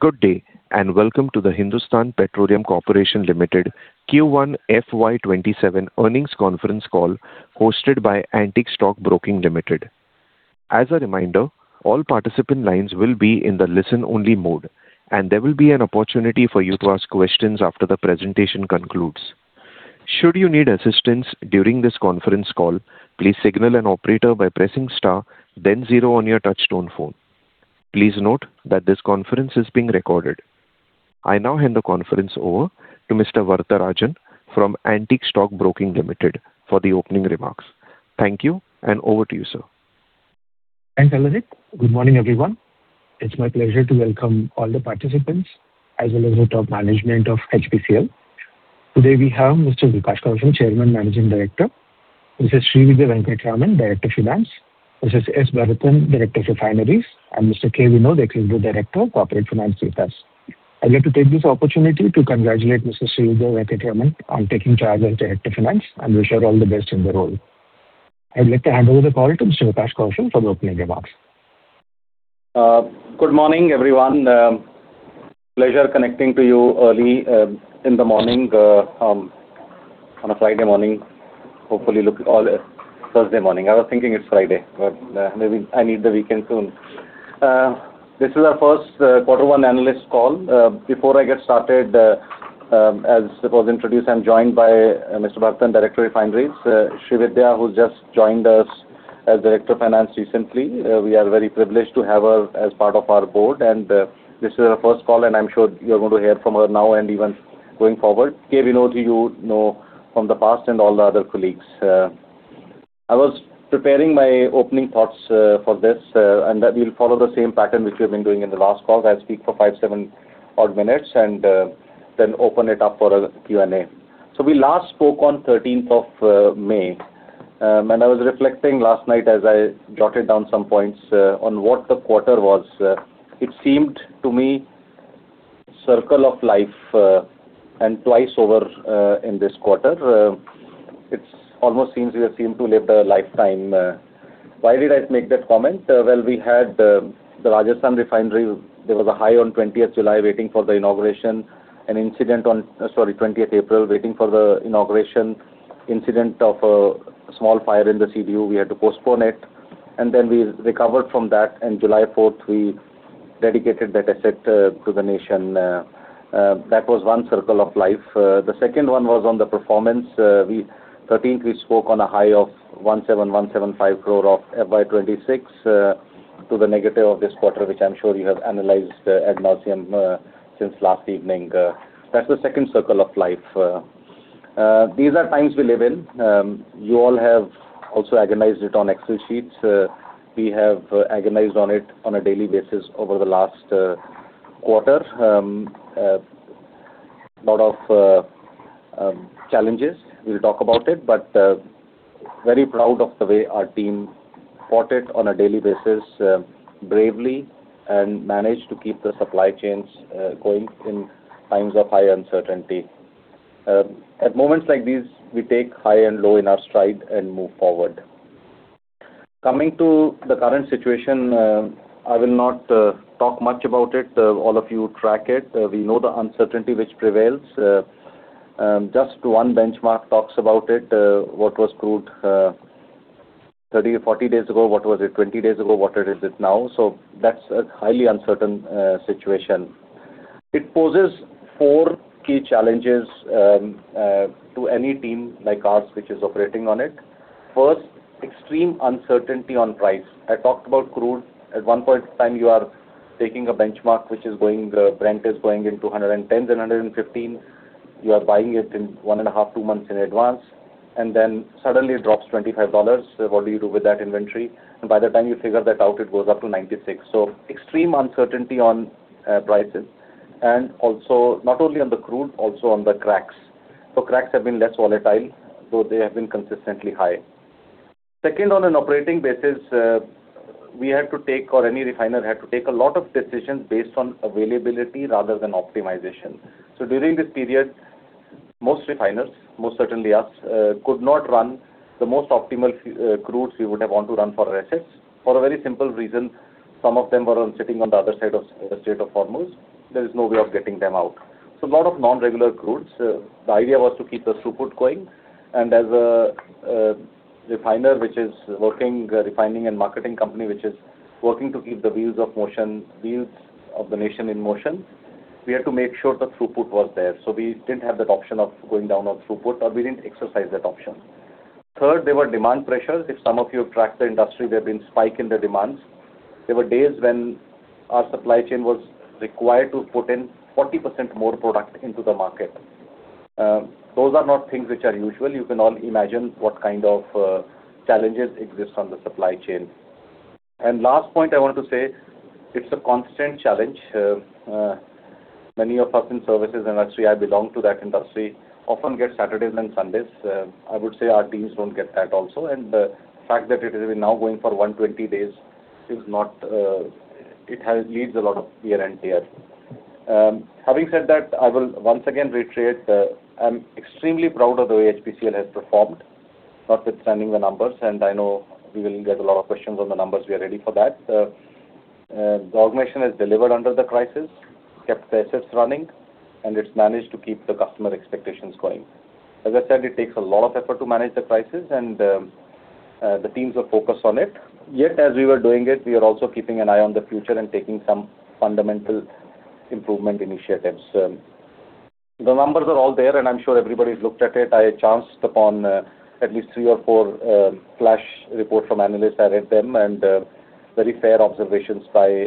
Good day, and welcome to the Hindustan Petroleum Corporation Limited Q1 FY 2027 earnings conference call hosted by Antique Stock Broking Limited. As a reminder, all participant lines will be in the listen only mode, and there will be an opportunity for you to ask questions after the presentation concludes. Should you need assistance during this conference call, please signal an operator by pressing star then zero on your touchtone phone. Please note that this conference is being recorded. I now hand the conference over to Mr. Varatharajan from Antique Stock Broking Limited for the opening remarks. Thank you, and over to you, sir. Thanks, Alarik. Good morning, everyone. It's my pleasure to welcome all the participants, as well as the top management of HPCL. Today, we have Mr. Vikas Kaushal, Chairman, Managing Director. Mrs. Srividya Venkataraman, Director Finance. Mr. S. Bharathan, Director Refineries, and Mr. K. Vinod, Executive Director Corporate Finance, with us. I'd like to take this opportunity to congratulate Mrs. Srividya Venkataraman on taking charge as Director Finance and wish her all the best in the role. I'd like to hand over the call to Mr. Vikas Kaushal for the opening remarks. Good morning, everyone. Pleasure connecting to you early in the morning, on a Friday morning. Thursday morning. I was thinking it's Friday, but maybe I need the weekend soon. This is our first quarter one analyst call. Before I get started, as was introduced, I'm joined by Mr. Bharathan, Director Refineries. Srividya, who's just joined us as Director Finance recently. We are very privileged to have her as part of our board, and this is her first call, and I'm sure you're going to hear from her now and even going forward. K. Vinod, you know from the past, and all the other colleagues. I was preparing my opening thoughts for this, and that we'll follow the same pattern which we've been doing in the last call. I'll speak for five, seven odd minutes and then open it up for a Q&A. We last spoke on 13th of May. I was reflecting last night as I jotted down some points on what the quarter was. It seemed to me circle of life and twice over, in this quarter. It almost seems we have seemed to live a lifetime. Why did I make that comment? Well, we had the Rajasthan refinery. There was a high on 20th April, waiting for the inauguration. Incident of a small fire in the CDU, we had to postpone it, and then we recovered from that, and July 4th, we dedicated that asset to the nation. That was one circle of life. The second one was on the performance. 13th, we spoke on a high of 17,175 crore of FY 2026 to the negative of this quarter, which I'm sure you have analyzed ad nauseam since last evening. That's the second circle of life. These are times we live in. You all have also agonized it on Excel sheets. We have agonized on it on a daily basis over the last quarter. Lot of challenges. We'll talk about it, but very proud of the way our team fought it on a daily basis, bravely, and managed to keep the supply chains going in times of high uncertainty. At moments like these, we take high and low in our stride and move forward. Coming to the current situation, I will not talk much about it. All of you track it. We know the uncertainty which prevails. Just one benchmark talks about it. What was crude 30 or 40 days ago? What was it 20 days ago? What is it now? That's a highly uncertain situation. It poses four key challenges to any team like ours, which is operating on it. First, extreme uncertainty on price. I talked about crude. At one point in time, you are taking a benchmark, Brent is going into 110 and 115. You are buying it in one and a half, two months in advance, then suddenly it drops $25. What do you do with that inventory? By the time you figure that out, it goes up to 96. Extreme uncertainty on prices. Also not only on the crude, also on the cracks. Cracks have been less volatile, though they have been consistently high. Second, on an operating basis, we had to take, or any refiner had to take a lot of decisions based on availability rather than optimization. During this period, most refiners, most certainly us, could not run the most optimal crudes we would have wanted to run for our assets for a very simple reason. Some of them were sitting on the other side of the Strait of Hormuz. There is no way of getting them out. A lot of non-regular crudes. The idea was to keep the throughput going. As a refiner, which is a refining and marketing company, which is working to keep the wheels of the nation in motion, we had to make sure the throughput was there. We didn't have that option of going down on throughput, or we didn't exercise that option. Third, there were demand pressures. If some of you have tracked the industry, there have been spike in the demands. There were days when our supply chain was required to put in 40% more product into the market. Those are not things which are usual. You can all imagine what kind of challenges exist on the supply chain. Last point I wanted to say, it's a constant challenge. Many of us in services industry, I belong to that industry, often get Saturdays and Sundays. I would say our teams don't get that also. The fact that it is now going for 120 days, it leads a lot of tear and wear. Having said that, I will once again reiterate, I'm extremely proud of the way HPCL has performed Notwithstanding the numbers, and I know we will get a lot of questions on the numbers, we are ready for that. The organization has delivered under the crisis, kept the assets running, and it's managed to keep the customer expectations going. As I said, it takes a lot of effort to manage the crisis and the teams are focused on it. As we were doing it, we are also keeping an eye on the future and taking some fundamental improvement initiatives. The numbers are all there. I'm sure everybody's looked at it. I chanced upon at least three or four flash report from analysts. I read them, very fair observations by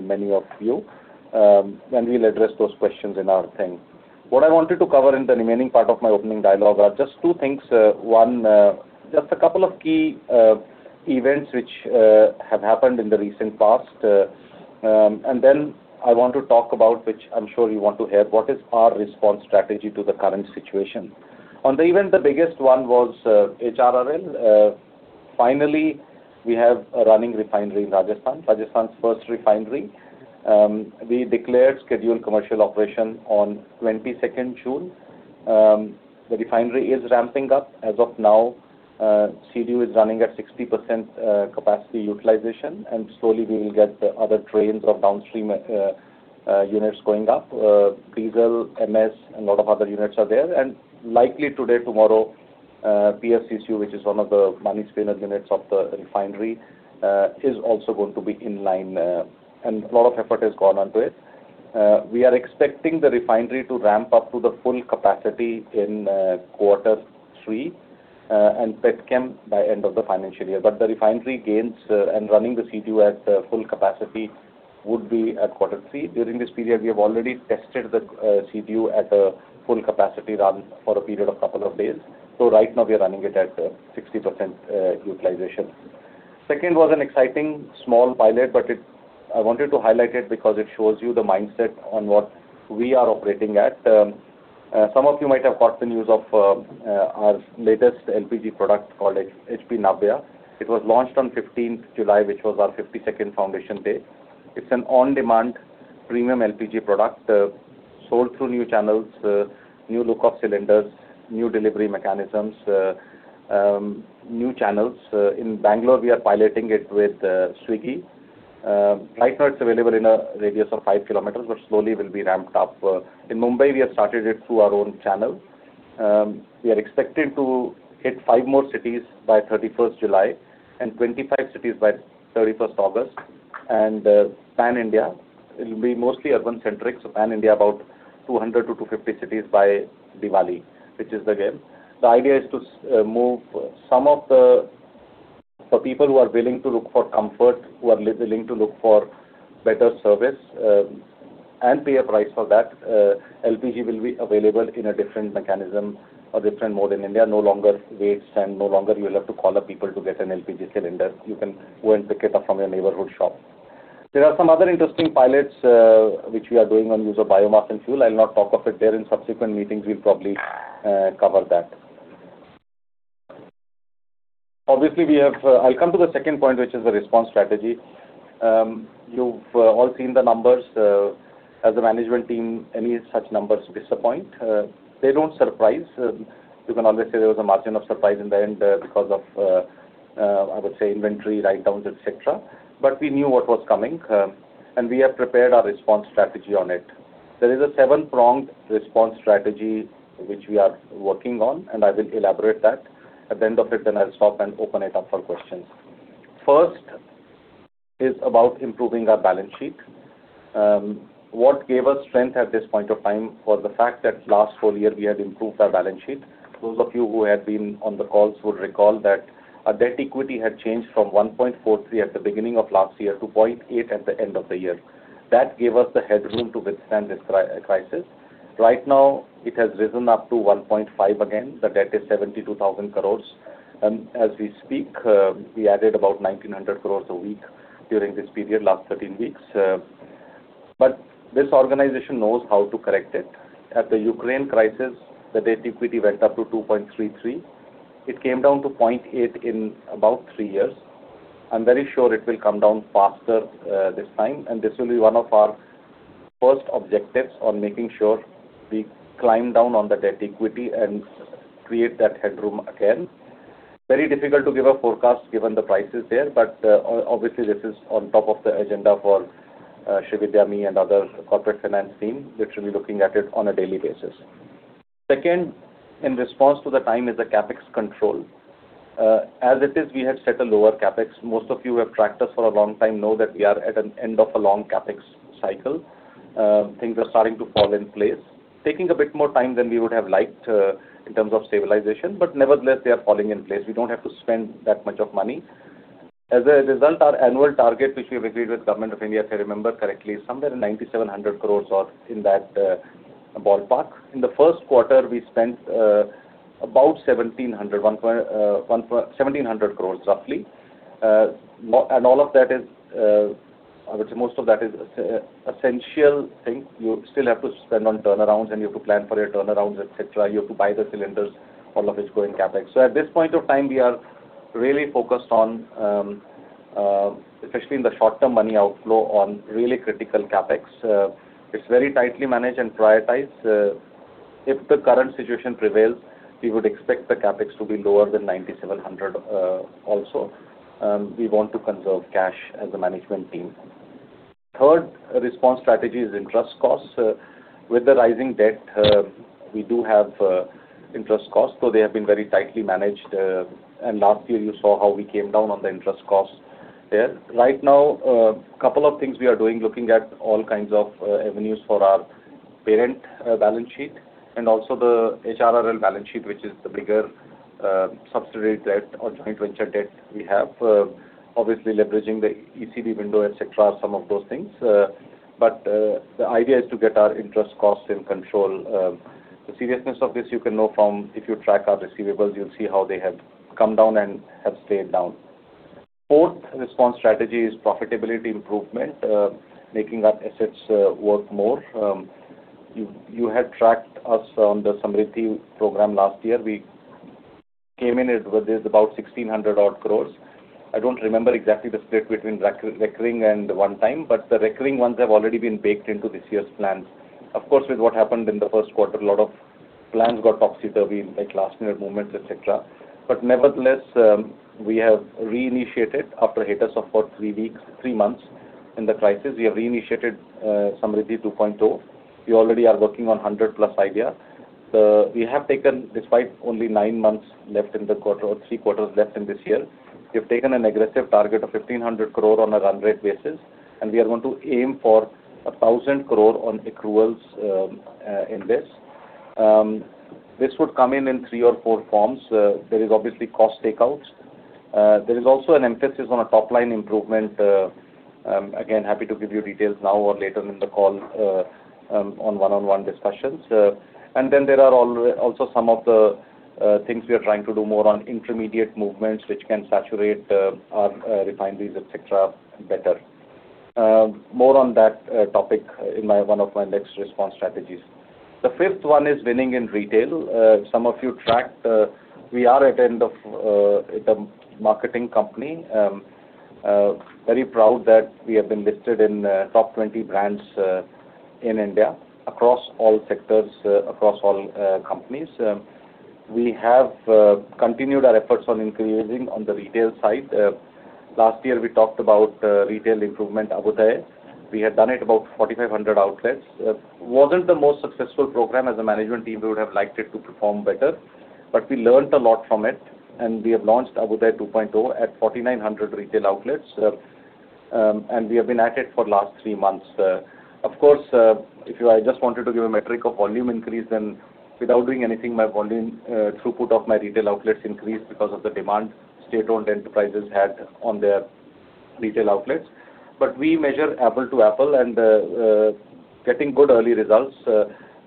many of you. We'll address those questions in our time. What I wanted to cover in the remaining part of my opening dialogue are just two things. One, just a couple of key events which have happened in the recent past. Then I want to talk about, which I'm sure you want to hear, what is our response strategy to the current situation. On the event, the biggest one was HRRL. Finally, we have a running refinery in Rajasthan's first refinery. We declared scheduled commercial operation on 22nd June. The refinery is ramping up as of now. CDU is running at 60% capacity utilization, slowly we will get other trains of downstream units going up. Diesel, MS, lot of other units are there. Likely today, tomorrow, PFCCU, which is one of the money spinner units of the refinery, is also going to be in line. A lot of effort has gone onto it. We are expecting the refinery to ramp up to the full capacity in quarter three, petchem by end of the financial year. The refinery gains and running the CDU at full capacity would be at quarter three. During this period, we have already tested the CDU at a full capacity run for a period of couple of days. Right now we are running it at 60% utilization. Second was an exciting small pilot, I wanted to highlight it because it shows you the mindset on what we are operating at. Some of you might have got the news of our latest LPG product called HP Navya. It was launched on 15th July, which was our 52nd foundation day. It's an on-demand premium LPG product, sold through new channels, new look of cylinders, new delivery mechanisms, new channels. In Bangalore, we are piloting it with Swiggy. Right now, it's available in a radius of five kilometers, slowly will be ramped up. In Mumbai, we have started it through our own channel. We are expecting to hit five more cities by 31st July and 25 cities by 31st August, pan-India. It'll be mostly urban centric, pan-India, about 200-250 cities by Diwali, which is the game. The idea is to move some of the people who are willing to look for comfort, who are willing to look for better service, pay a price for that, LPG will be available in a different mechanism or different mode in India. No longer waits and no longer you will have to call up people to get an LPG cylinder. You can go and pick it up from your neighborhood shop. There are some other interesting pilots, which we are doing on use of biomass and fuel. I'll not talk of it there. In subsequent meetings, we'll probably cover that. Obviously, I'll come to the second point, which is the response strategy. You've all seen the numbers. As a management team, any such numbers disappoint. They don't surprise. You can always say there was a margin of surprise in the end because of, I would say, inventory, write-downs, et cetera. We knew what was coming, and we have prepared our response strategy on it. There is a 7-pronged response strategy which we are working on, I will elaborate that. At the end of it, I'll stop and open it up for questions. First is about improving our balance sheet. What gave us strength at this point of time was the fact that last full year we had improved our balance sheet. Those of you who had been on the calls will recall that our debt equity had changed from 1.43 at the beginning of last year to 0.8 at the end of the year. That gave us the headroom to withstand this crisis. Right now, it has risen up to 1.5 again. The debt is 72,000 crore. As we speak, we added about 1,900 crore a week during this period, last 13 weeks. This organization knows how to correct it. At the Ukraine crisis, the debt equity went up to 2.33. It came down to 0.8 in about three years. I'm very sure it will come down faster this time, and this will be one of our first objectives on making sure we climb down on the debt equity and create that headroom again. Very difficult to give a forecast given the prices there, obviously this is on top of the agenda for Srividya and other corporate finance team, which will be looking at it on a daily basis. Second, in response to the time is the CapEx control. As it is, we had set a lower CapEx. Most of you who have tracked us for a long time know that we are at an end of a long CapEx cycle. Things are starting to fall in place. Taking a bit more time than we would have liked in terms of stabilization, nevertheless, they are falling in place. We don't have to spend that much of money. Our annual target, which we have agreed with Government of India, if I remember correctly, is somewhere in 9,700 crore or in that ballpark. In the first quarter, we spent about 1,700 crore roughly. All of that is, I would say most of that is essential thing. You still have to spend on turnarounds, you have to plan for your turnarounds, et cetera. You have to buy the cylinders. All of it is going CapEx. At this point of time, we are Really focused on, especially in the short-term money outflow, on really critical CapEx. It's very tightly managed and prioritized. If the current situation prevails, we would expect the CapEx to be lower than 9,700 also. We want to conserve cash as a management team. Third response strategy is interest costs. With the rising debt, we do have interest costs, though they have been very tightly managed. Last year you saw how we came down on the interest costs there. Right now, couple of things we are doing, looking at all kinds of avenues for our parent balance sheet and also the HRRL balance sheet, which is the bigger subsidiary debt or joint venture debt we have. Obviously leveraging the ECB window, et cetera, are some of those things. The idea is to get our interest costs in control. The seriousness of this you can know from, if you track our receivables, you'll see how they have come down and have stayed down. Fourth response strategy is profitability improvement, making our assets work more. You had tracked us on the Samriddhi program last year. We came in with this about 1,600 odd crore. I don't remember exactly the split between recurring and one time, but the recurring ones have already been baked into this year's plans. Of course, with what happened in the first quarter, a lot of plans got topsy-turvy, like last-minute movements, et cetera. Nevertheless, we have reinitiated, after hit of support three months in the crisis, we have reinitiated Samriddhi 2.0. We already are working on 100 plus idea. We have taken, despite only nine months left in the quarter or three quarters left in this year, we have taken an aggressive target of 1,500 crore on a run rate basis, and we are going to aim for 1,000 crore on accruals in this. This would come in in three or four forms. There is obviously cost take-outs. There is also an emphasis on a top-line improvement. Again, happy to give you details now or later in the call, on one-on-one discussions. Then there are also some of the things we are trying to do more on intermediate movements, which can saturate our refineries, et cetera, better. More on that topic in one of my next response strategies. The fifth one is winning in retail. Some of you tracked, we are a marketing company. Very proud that we have been listed in top 20 brands in India across all sectors, across all companies. We have continued our efforts on increasing on the retail side. Last year we talked about retail improvement, Abhyuday. We had done it about 4,500 outlets. Wasn't the most successful program. As a management team, we would have liked it to perform better, but we learnt a lot from it. We have launched Abhyuday 2.0 at 4,900 retail outlets, and we have been at it for last three months. Of course, if I just wanted to give a metric of volume increase, then without doing anything, my volume throughput of my retail outlets increased because of the demand state-owned enterprises had on their retail outlets. We measure apple to apple, and getting good early results.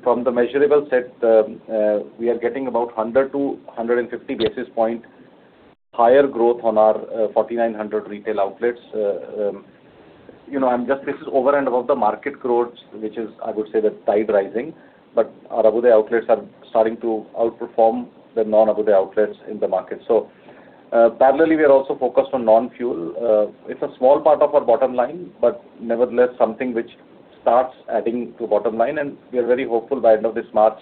From the measurable set, we are getting about 100 to 150 basis point higher growth on our 4,900 retail outlets. This is over and above the market growth, which is, I would say the tide rising, but our Abhyuday outlets are starting to outperform the non-Abhyuday outlets in the market. Parallelly, we are also focused on non-fuel. It's a small part of our bottom line, but nevertheless, something which starts adding to bottom line, and we are very hopeful by end of this March,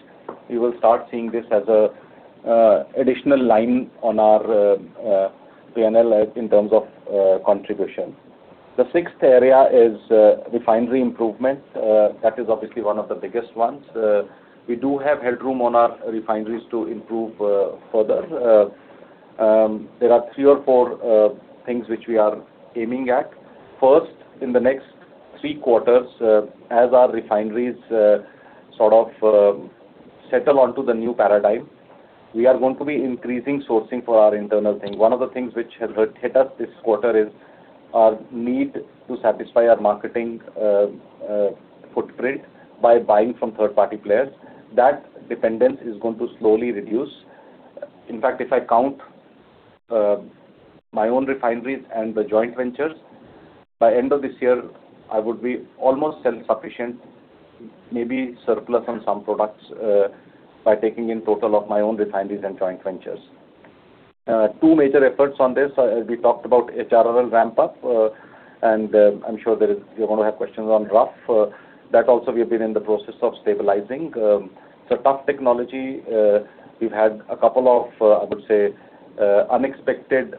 we will start seeing this as a additional line on our P&L in terms of contribution. The sixth area is refinery improvement. That is obviously one of the biggest ones. We do have headroom on our refineries to improve further. There are three or four things which we are aiming at. First, in the next three quarters, as our refineries sort of settle onto the new paradigm, we are going to be increasing sourcing for our internal thing. One of the things which has hit us this quarter is our need to satisfy our marketing footprint by buying from third-party players. That dependence is going to slowly reduce. In fact, if I count my own refineries and the joint ventures, by end of this year, I would be almost self-sufficient, maybe surplus on some products, by taking in total of my own refineries and joint ventures. Two major efforts on this, we talked about HRRL ramp-up, and I'm sure that you're going to have questions on RUF. That also we have been in the process of stabilizing. It's a tough technology. We've had a couple of, I would say, unexpected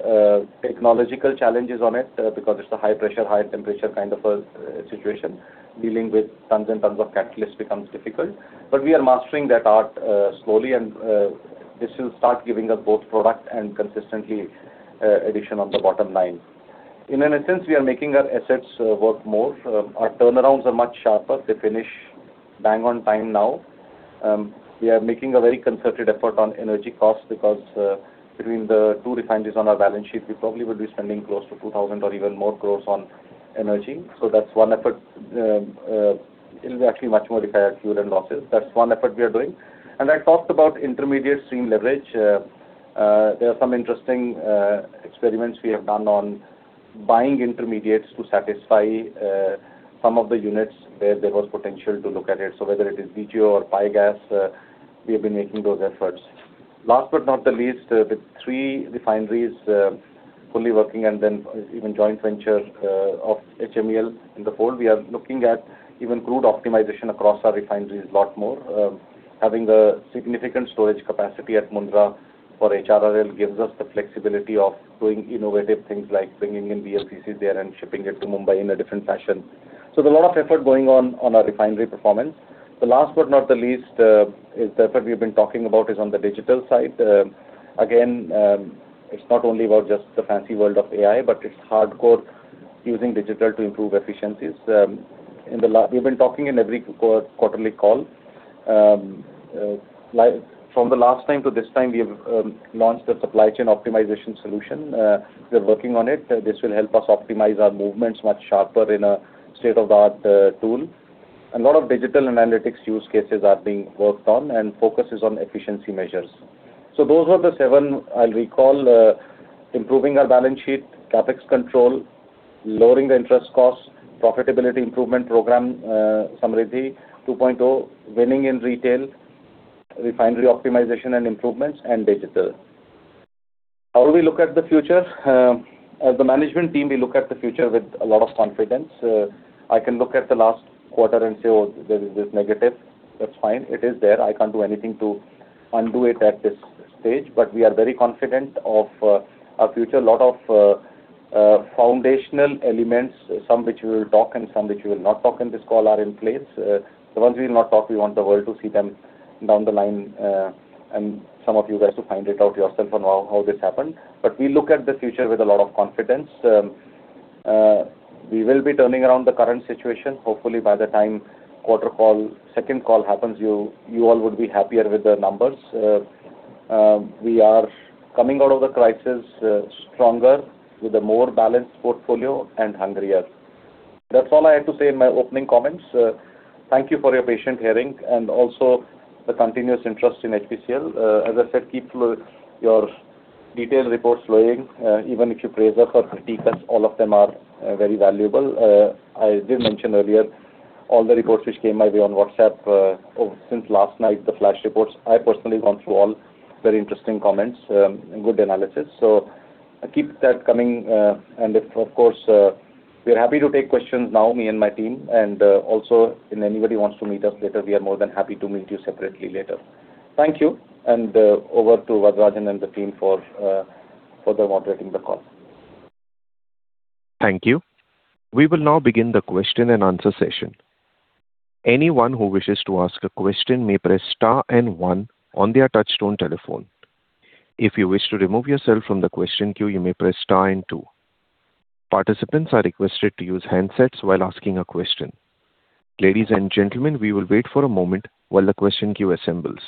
technological challenges on it, because it's a high pressure, high temperature kind of a situation. Dealing with tons and tons of catalyst becomes difficult. We are mastering that art slowly and this will start giving us both product and consistently addition on the bottom line. In essence, we are making our assets work more. Our turnarounds are much sharper. They finish bang on time now. We are making a very concerted effort on energy costs because, between the two refineries on our balance sheet, we probably will be spending close to 2,000 or even more crores on energy. That's one effort. It'll be actually much more if you add fuel and losses. That's one effort we are doing. I talked about intermediate stream leverage. There are some interesting experiments we have done on buying intermediates to satisfy some of the units where there was potential to look at it. Whether it is VGO or pygas, we have been making those efforts. Last but not the least, with three refineries fully working and then even joint venture of HMEL in the fold, we are looking at even crude optimization across our refineries a lot more. Having the significant storage capacity at Mundra for HRRL gives us the flexibility of doing innovative things like bringing in VLCC there and shipping it to Mumbai in a different fashion. There's a lot of effort going on our refinery performance. The last but not the least, is the effort we've been talking about is on the digital side. Again, it's not only about just the fancy world of AI, but it's hardcore using digital to improve efficiencies. We've been talking in every quarterly call. From the last time to this time, we have launched the supply chain optimization solution. We're working on it. This will help us optimize our movements much sharper in a state-of-the-art tool. A lot of digital and analytics use cases are being worked on, and focus is on efficiency measures. Those were the seven I'll recall: improving our balance sheet, CapEx control, lowering the interest costs, profitability improvement program Samriddhi 2.0, winning in retail, refinery optimization and improvements, and digital. How do we look at the future? As the management team, we look at the future with a lot of confidence. I can look at the last quarter and say, "Oh, there is this negative." That's fine. It is there. I can't do anything to undo it at this stage. We are very confident of our future. A lot of foundational elements, some which we will talk and some which we will not talk in this call, are in place. The ones we will not talk, we want the world to see them down the line, and some of you guys to find it out yourself on how this happened. We look at the future with a lot of confidence. We will be turning around the current situation, hopefully by the time second call happens, you all would be happier with the numbers. We are coming out of the crisis stronger with a more balanced portfolio, and hungrier. That's all I have to say in my opening comments. Thank you for your patient hearing and also the continuous interest in HPCL. As I said, keep your detailed reports flowing. Even if you praise us or critique us, all of them are very valuable. I did mention earlier all the reports which came my way on WhatsApp since last night, the flash reports, I personally went through all. Very interesting comments and good analysis. Keep that coming. Of course, we are happy to take questions now, me and my team. Also, if anybody wants to meet us later, we are more than happy to meet you separately later. Thank you, and over to Varatharajan and the team for further moderating the call. Thank you. We will now begin the question and answer session. Anyone who wishes to ask a question may press star one on their touchtone telephone. If you wish to remove yourself from the question queue, you may press star two. Participants are requested to use handsets while asking a question. Ladies and gentlemen, we will wait for a moment while the question queue assembles.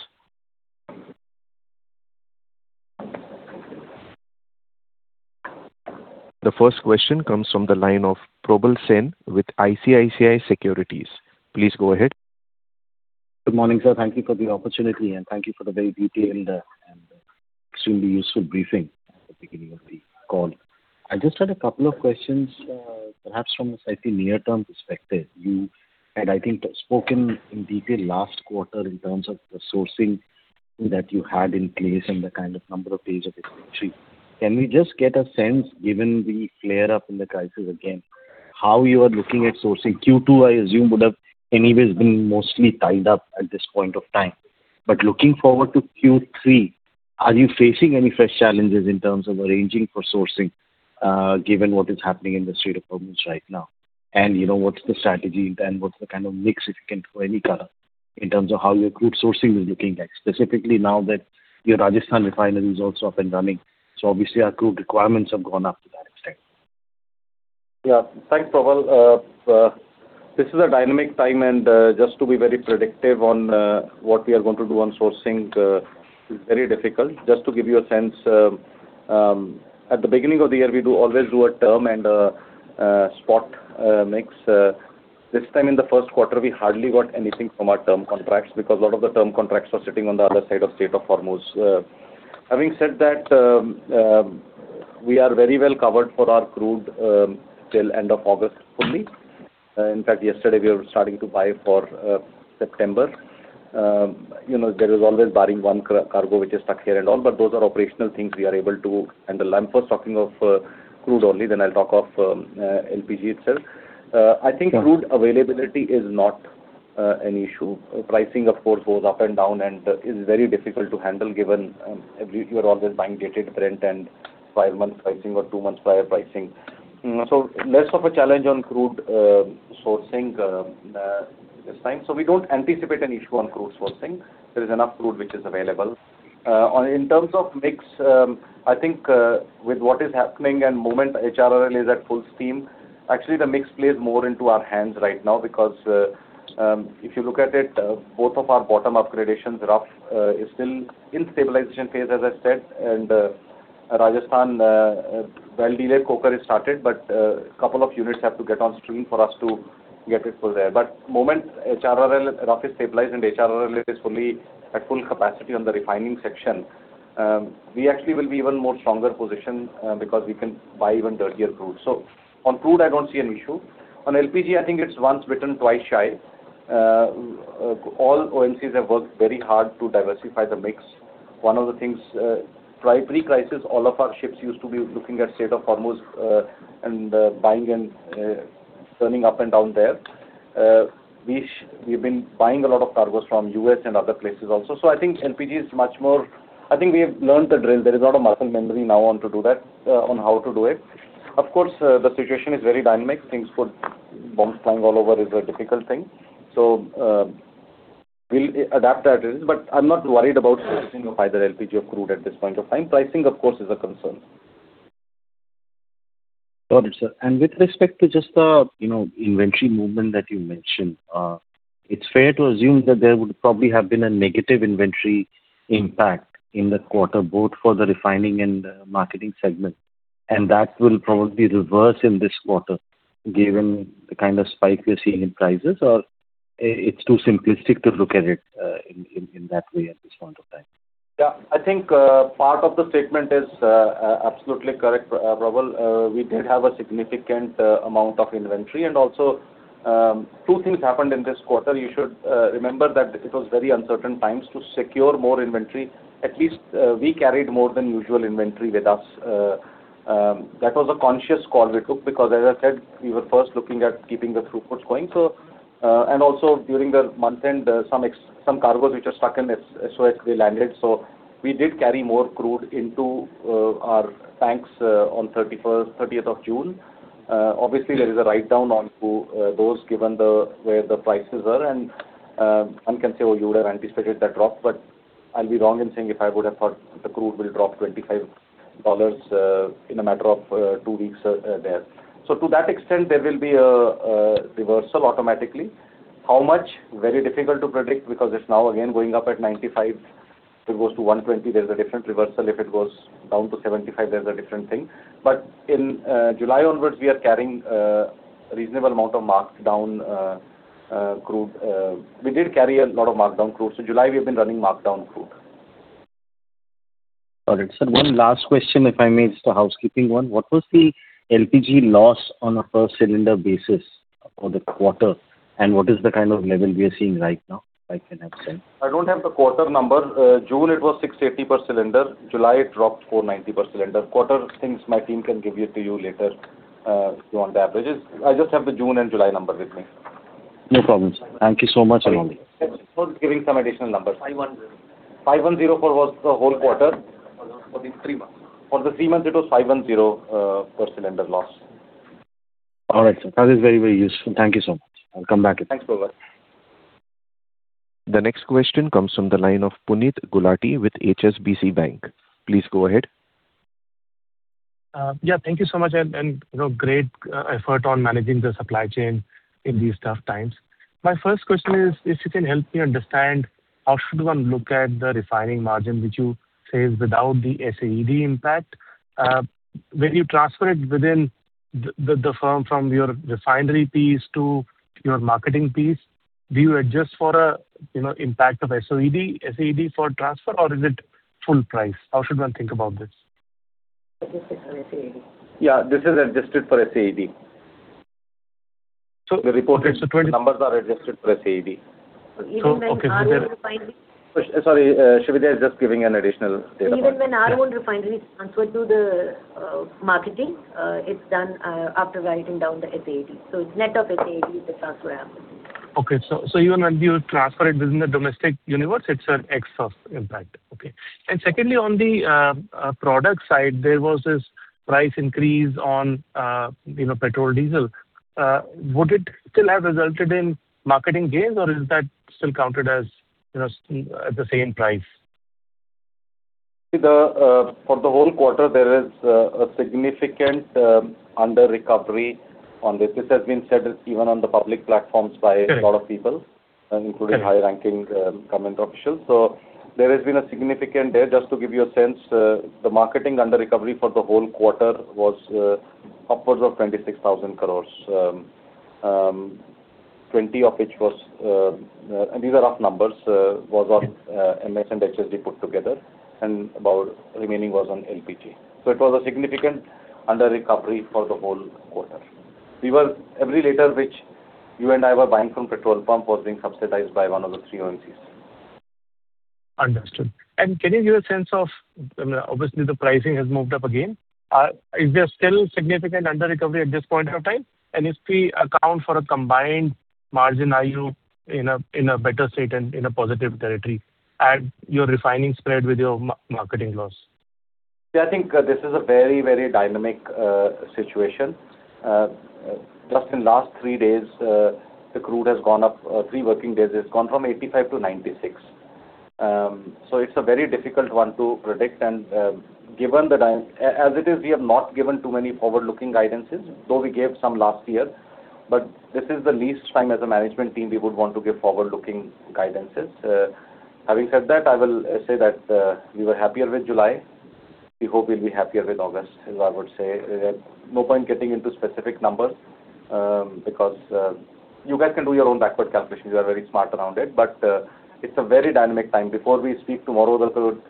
The first question comes from the line of Probal Sen with ICICI Securities. Please go ahead. Good morning, sir. Thank you for the opportunity, and thank you for the very detailed and extremely useful briefing at the beginning of the call. I just had a couple of questions, perhaps from a slightly near-term perspective. You had, I think, spoken in detail last quarter in terms of the sourcing that you had in place and the kind of number of pages. Can we just get a sense, given the flare-up in the crisis again, how you are looking at sourcing? Q2, I assume, would have anyways been mostly tied up at this point of time. Looking forward to Q3, are you facing any fresh challenges in terms of arranging for sourcing, given what is happening in the Strait of Hormuz right now? What's the strategy then? What's the kind of mix, if any, in terms of how your crude sourcing is looking like? Specifically now that your Rajasthan Refinery is also up and running, obviously our crude requirements have gone up to that extent. Thanks, Probal. This is a dynamic time, just to be very predictive on what we are going to do on sourcing is very difficult. Just to give you a sense, at the beginning of the year, we always do a term and a spot mix. This time in the first quarter, we hardly got anything from our term contracts because a lot of the term contracts were sitting on the other side of Strait of Hormuz. Having said that, we are very well covered for our crude till end of August fully. In fact, yesterday, we were starting to buy for September. There is always barring one cargo which is stuck here and all, but those are operational things we are able to handle. I'm first talking of crude only, then I'll talk of LPG itself. I think crude availability is not an issue. Pricing, of course, goes up and down and is very difficult to handle given you are always buying Dated Brent and five months pricing or two months prior pricing. Less of a challenge on crude sourcing this time. We don't anticipate any issue on crude sourcing. There is enough crude which is available. In terms of mix, I think with what is happening and moment HRRL is at full steam, actually the mix plays more into our hands right now because, if you look at it, both of our bottom upgradations, RUF is still in stabilization phase as I said, and Rajasthan delayed coker is started, but a couple of units have to get on stream for us to get it full there. Moment HRRL, RUF is stabilized and HRRL is at full capacity on the refining section, we actually will be even more stronger positioned because we can buy even dirtier crude. On crude, I don't see an issue. On LPG, I think it's once bitten, twice shy. All OMCs have worked very hard to diversify the mix. One of the things, pre-crisis, all of our ships used to be looking at Strait of Hormuz and buying and turning up and down there. We've been buying a lot of cargoes from U.S. and other places also. I think LPG is much more. I think we have learned the drill. There is a lot of muscle memory now on how to do it. Of course, the situation is very dynamic. Bombs flying all over is a difficult thing. We will adapt at it, but I am not worried about pricing of either LPG or crude at this point of time. Pricing, of course, is a concern. Got it, sir. With respect to just the inventory movement that you mentioned, it is fair to assume that there would probably have been a negative inventory impact in the quarter, both for the refining and marketing segment, and that will probably reverse in this quarter given the kind of spike we are seeing in prices, or it is too simplistic to look at it in that way at this point of time? Yeah. I think part of the statement is absolutely correct, Probal. We did have a significant amount of inventory and also two things happened in this quarter. You should remember that it was very uncertain times to secure more inventory. At least we carried more than usual inventory with us. That was a conscious call we took because, as I said, we were first looking at keeping the throughputs going. Also during the month-end, some cargoes which are stuck in SoH, they landed. We did carry more crude into our tanks on 30th of June. Obviously, there is a write-down on those, given where the prices are. One can say, "Oh, you would have anticipated that drop." I will be wrong in saying if I would have thought the crude will drop $25 in a matter of two weeks there. To that extent, there will be a reversal automatically. How much? Very difficult to predict because it is now again going up at $95. If it goes to $120, there is a different reversal. If it goes down to $75, there is a different thing. In July onwards, we are carrying a reasonable amount of marked-down crude. We did carry a lot of marked-down crude. July, we have been running marked-down crude. Got it, sir. One last question, if I may, it's a housekeeping one. What was the LPG loss on a per cylinder basis for the quarter, and what is the kind of level we are seeing right now, if I can have them? I don't have the quarter number. June it was 680 per cylinder. July it dropped 490 per cylinder. Quarter things, my team can give it to you later, if you want the averages. I just have the June and July number with me. No problem, sir. Thank you so much. Vinod is giving some additional numbers. 510. 510 for was the whole quarter. For the three months. For the three months it was 510 per cylinder loss. All right, sir. That is very, very useful. Thank you so much. I'll come back. Thanks, Probal. The next question comes from the line of Puneet Gulati with HSBC Bank. Please go ahead. Yeah. Thank you so much, and great effort on managing the supply chain in these tough times. My first question is, if you can help me understand how should one look at the refining margin, which you say is without the SAED impact. When you transfer it within the firm from your refinery piece to your marketing piece, do you adjust for impact of SAED for transfer, or is it full price? How should one think about this? Adjusted for SAED. Yeah, this is adjusted for SAED. The reported numbers are adjusted for SAED. Even when our own refinery. Sorry, Srividya is just giving an additional data point. Even when our own refinery is transferred to the marketing, it's done after writing down the SAED. It's net of SAED, the transfer happens. Okay. Even when you transfer it within the domestic universe, it's an ex of impact. Okay. Secondly, on the product side, there was this price increase on petrol, diesel. Would it still have resulted in marketing gains or is that still counted as at the same price? For the whole quarter, there is a significant under-recovery on this. This has been said even on the public platforms by a lot of people, including high-ranking government officials. There has been a significant there. Just to give you a sense, the marketing under-recovery for the whole quarter was upwards of 26,000 crores, 20 of which was, and these are rough numbers, was on MS and HSD put together, and about remaining was on LPG. It was a significant under-recovery for the whole quarter. Every liter which you and I were buying from petrol pump was being subsidized by one of the three OMCs. Understood. Can you give a sense of, obviously, the pricing has moved up again. Is there still significant under-recovery at this point of time? If we account for a combined margin, are you in a better state and in a positive territory, add your refining spread with your marketing loss? Yeah, I think this is a very, very dynamic situation. Just in last three days, the crude has gone up, three working days, it's gone from 85 to 96. It's a very difficult one to predict and as it is, we have not given too many forward-looking guidance's, though we gave some last year. This is the least time as a management team we would want to give forward-looking guidance's. Having said that, I will say that we were happier with July. We hope we'll be happier with August, is what I would say. No point getting into specific numbers, because you guys can do your own backward calculations. You are very smart around it, but it's a very dynamic time. Before we speak tomorrow,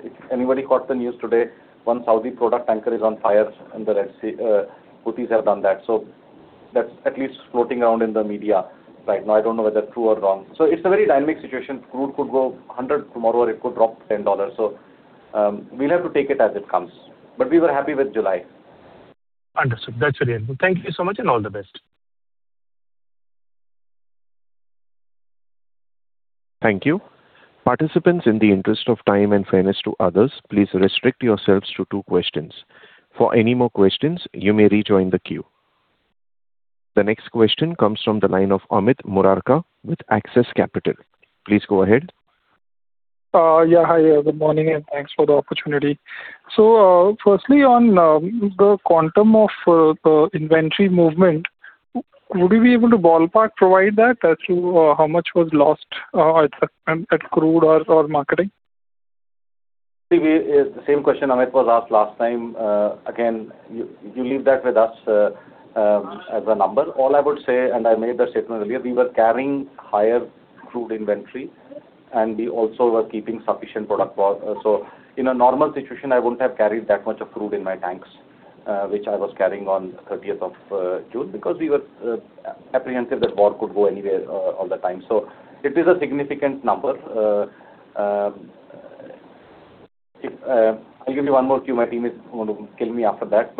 if anybody caught the news today, one Saudi product tanker is on fire in the Red Sea. Houthis have done that. That's at least floating around in the media right now. I don't know whether true or wrong. It's a very dynamic situation. Crude could go 100 tomorrow or it could drop $10. We'll have to take it as it comes. We were happy with July. Understood. That's really helpful. Thank you so much, and all the best. Thank you. Participants, in the interest of time and fairness to others, please restrict yourselves to two questions. For any more questions, you may rejoin the queue. The next question comes from the line of Amit Murarka with Axis Capital. Please go ahead. Hi. Good morning, and thanks for the opportunity. Firstly, on the quantum of the inventory movement, would you be able to ballpark provide that as to how much was lost at crude or marketing? Same question, Amit, was asked last time. Again, you leave that with us as a number. All I would say, and I made that statement earlier, we were carrying higher crude inventory and we also were keeping sufficient product. In a normal situation, I wouldn't have carried that much of crude in my tanks, which I was carrying on 30th of June, because we were apprehensive that oil could go anywhere all the time. It is a significant number. I'll give you one more cue. My team is going to kill me after that.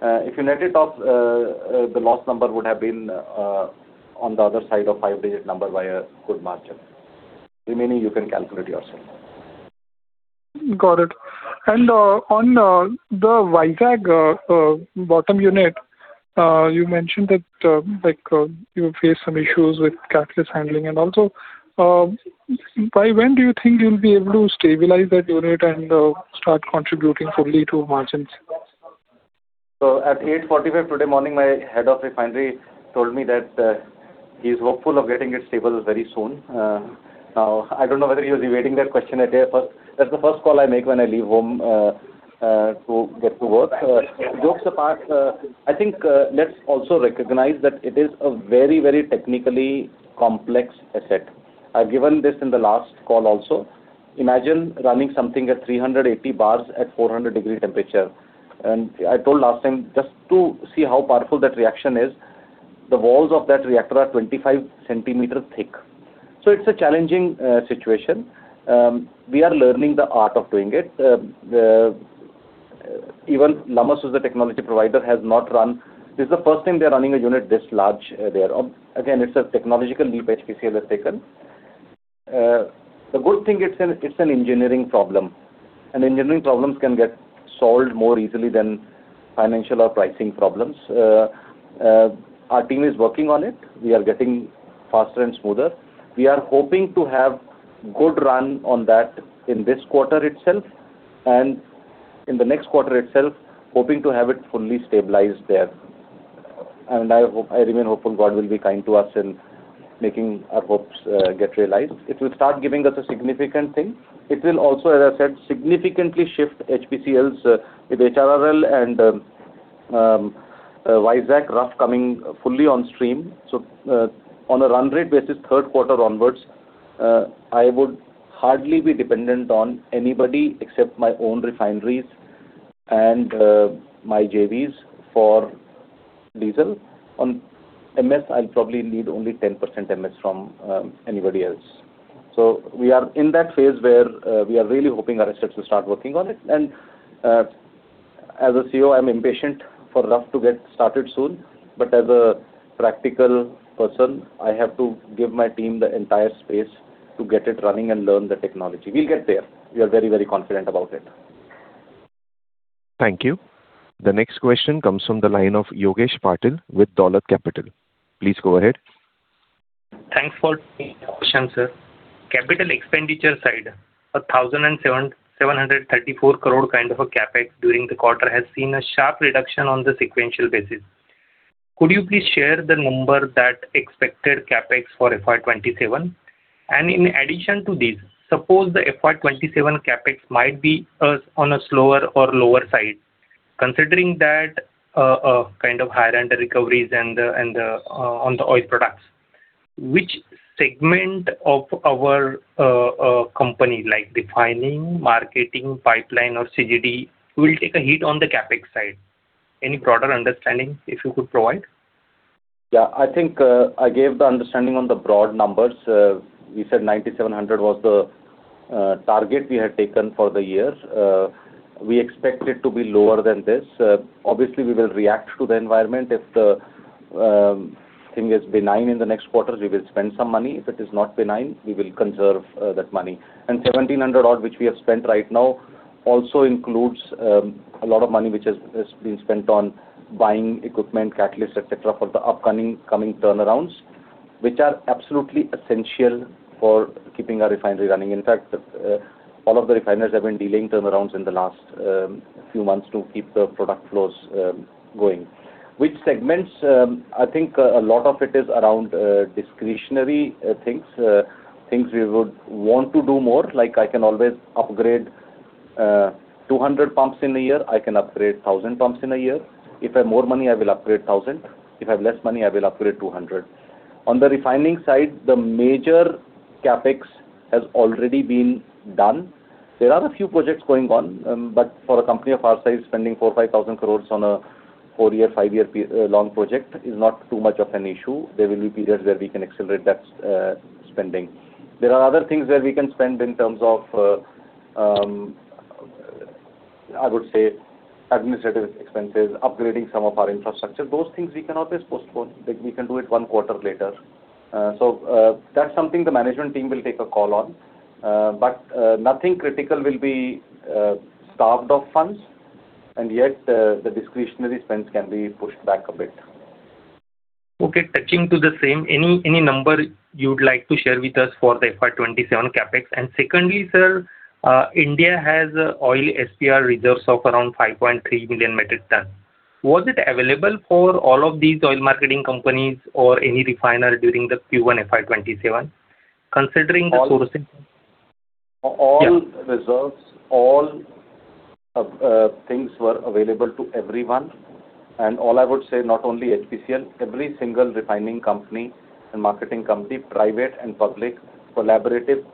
If you net it off, the loss number would have been on the other side of five-digit number by a good margin. Remaining, you can calculate yourself. Got it. On the Vizag bottom unit, you mentioned that you faced some issues with catalyst handling. Also, by when do you think you'll be able to stabilize that unit and start contributing fully to margins? At 8:45 A.M. today morning, my head of refinery told me that he's hopeful of getting it stable very soon. Now, I don't know whether he was awaiting that question. That's the first call I make when I leave home to get to work. Jokes apart, I think, let's also recognize that it is a very technically complex asset. I've given this in the last call also. Imagine running something at 380 bars at 400 degree temperature. I told last time, just to see how powerful that reaction is, the walls of that reactor are 25 centimeters thick. It's a challenging situation. We are learning the art of doing it. Even Lummus, who's the technology provider. This is the first time they're running a unit this large there. Again, it's a technological leap HPCL has taken. The good thing, it's an engineering problem, engineering problems can get solved more easily than financial or pricing problems. Our team is working on it. We are getting faster and smoother. We are hoping to have good run on that in this quarter itself, in the next quarter itself, hoping to have it fully stabilized there. I remain hopeful God will be kind to us in making our hopes get realized. It will start giving us a significant thing. It will also, as I said, significantly shift HPCL's with HRRL and Vizag RUF coming fully on stream. On a run rate basis, third quarter onwards, I would hardly be dependent on anybody except my own refineries and my JVs for diesel. On MS, I'll probably need only 10% MS from anybody else. We are in that phase where we are really hoping our assets will start working on it. As a CEO, I'm impatient for Rough to get started soon, as a practical person, I have to give my team the entire space to get it running and learn the technology. We'll get there. We are very confident about it. Thank you. The next question comes from the line of Yogesh Patil with Dolat Capital. Please go ahead. Thanks for taking the question, sir. Capital expenditure side, 1,734 crore kind of a CapEx during the quarter has seen a sharp reduction on the sequential basis. Could you please share the number that expected CapEx for FY 2027? In addition to this, suppose the FY 2027 CapEx might be on a slower or lower side. Considering that a kind of higher end recoveries on the oil products, which segment of our company, like refining, marketing, pipeline or CGD, will take a hit on the CapEx side? Any broader understanding if you could provide? I think I gave the understanding on the broad numbers. We said 9,700 was the target we had taken for the year. We expect it to be lower than this. Obviously, we will react to the environment. If the thing is benign in the next quarter, we will spend some money. If it is not benign, we will conserve that money. 1,700 odd, which we have spent right now, also includes a lot of money which has been spent on buying equipment, catalyst, et cetera, for the upcoming turnarounds, which are absolutely essential for keeping our refinery running. In fact, all of the refiners have been delaying turnarounds in the last few months to keep the product flows going. Which segments? I think a lot of it is around discretionary things. Things we would want to do more, like I can always upgrade 200 pumps in a year. I can upgrade 1,000 pumps in a year. If I have more money, I will upgrade 1,000. If I have less money, I will upgrade 200. On the refining side, the major CapEx has already been done. There are a few projects going on, but for a company of our size, spending 4,000 or 5,000 crore on a four-year, five-year long project is not too much of an issue. There will be periods where we can accelerate that spending. There are other things where we can spend in terms of, I would say, administrative expenses, upgrading some of our infrastructure. Those things we can always postpone. We can do it one quarter later. That's something the management team will take a call on. Nothing critical will be starved of funds, and yet the discretionary spends can be pushed back a bit. Okay. Touching to the same, any number you'd like to share with us for the FY 2027 CapEx? Secondly, sir, India has oil SPR reserves of around 5.3 million metric ton. Was it available for all of these Oil Marketing Companies or any refiner during the Q1 FY 2027, considering the sourcing? All reserves, all things were available to everyone. All I would say, not only HPCL, every single refining company and marketing company, private and public, collaborated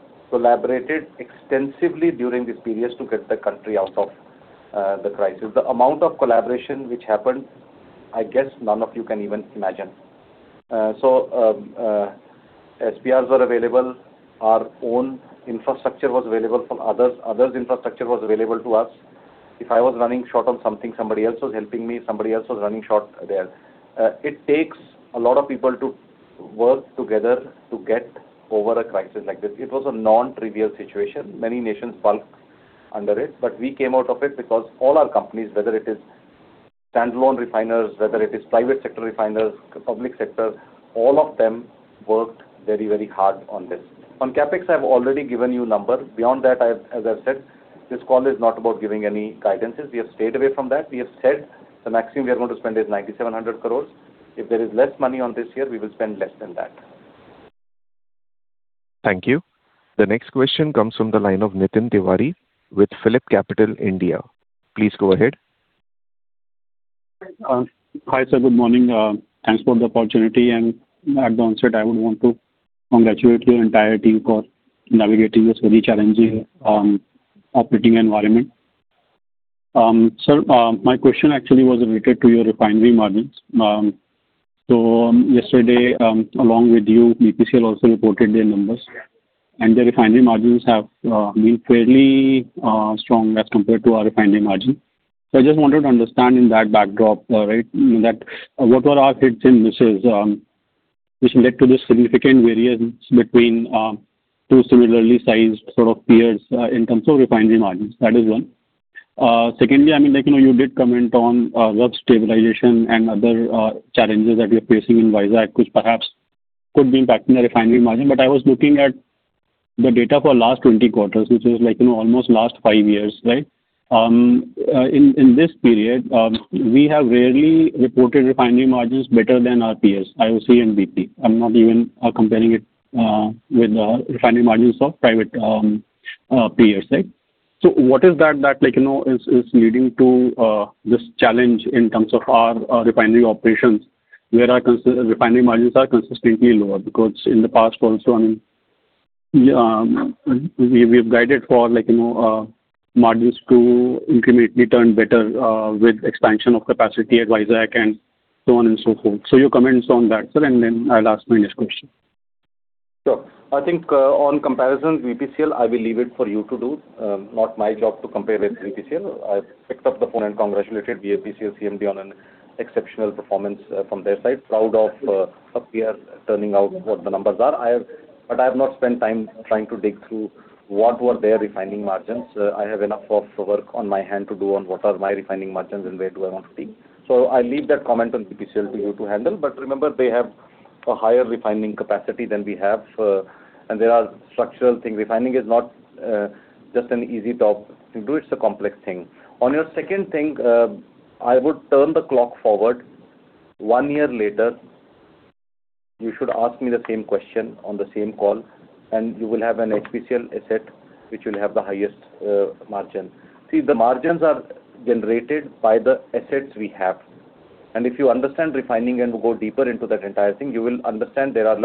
extensively during these periods to get the country out of the crisis. The amount of collaboration which happened, I guess none of you can even imagine. SPRs were available. Our own infrastructure was available for others. Others' infrastructure was available to us. If I was running short on something, somebody else was helping me, somebody else was running short there. It takes a lot of people to work together to get over a crisis like this. It was a non-trivial situation. Many nations balked under it, we came out of it because all our companies, whether it is standalone refiners, whether it is private sector refiners, public sector, all of them worked very hard on this. On CapEx, I've already given you number. Beyond that, as I've said, this call is not about giving any guidance's. We have stayed away from that. We have said the maximum we are going to spend is 9,700 crore. If there is less money on this year, we will spend less than that. Thank you. The next question comes from the line of Nitin Tiwari with PhillipCapital India. Please go ahead. Hi, sir. Good morning. Thanks for the opportunity, and at the onset, I would want to congratulate your entire team for navigating this very challenging operating environment. Sir, my question actually was related to your refinery margins. Yesterday, along with you, BPCL also reported their numbers, and their refinery margins have been fairly strong as compared to our refinery margin. I just wanted to understand in that backdrop, what were our hits and misses, which led to this significant variance between two similarly sized peers, in terms of refinery margins. That is one. Secondly, you did comment on rough stabilization and other challenges that you're facing in Vizag, which perhaps could be impacting the refinery margin. But I was looking at the data for last 20 quarters, which is almost last five years. In this period, we have rarely reported refinery margins better than our peers, IOC and BPCL. I'm not even comparing it with refinery margins of private peers. What is it that is leading to this challenge in terms of our refinery operations, where our refinery margins are consistently lower? Because in the past also, we've guided for margins to incrementally turn better, with expansion of capacity at Vizag and so on and so forth. Your comments on that, sir, and then I'll ask my next question. Sure. I think on comparison, BPCL, I will leave it for you to do. Not my job to compare with BPCL. I've picked up the phone and congratulated the BPCL CMD on an exceptional performance from their side. Proud of peers turning out what the numbers are. I have not spent time trying to dig through what were their refining margins. I have enough of work on my hand to do on what are my refining margins and where do I want to be. I leave that comment on BPCL to you to handle. Remember, they have a higher refining capacity than we have. There are structural things. Refining is not just an easy job to do, it's a complex thing. On your second thing, I would turn the clock forward. One year later, you should ask me the same question on the same call, and you will have an HPCL asset which will have the highest margin. See, the margins are generated by the assets we have. If you understand refining and go deeper into that entire thing, you will understand there are.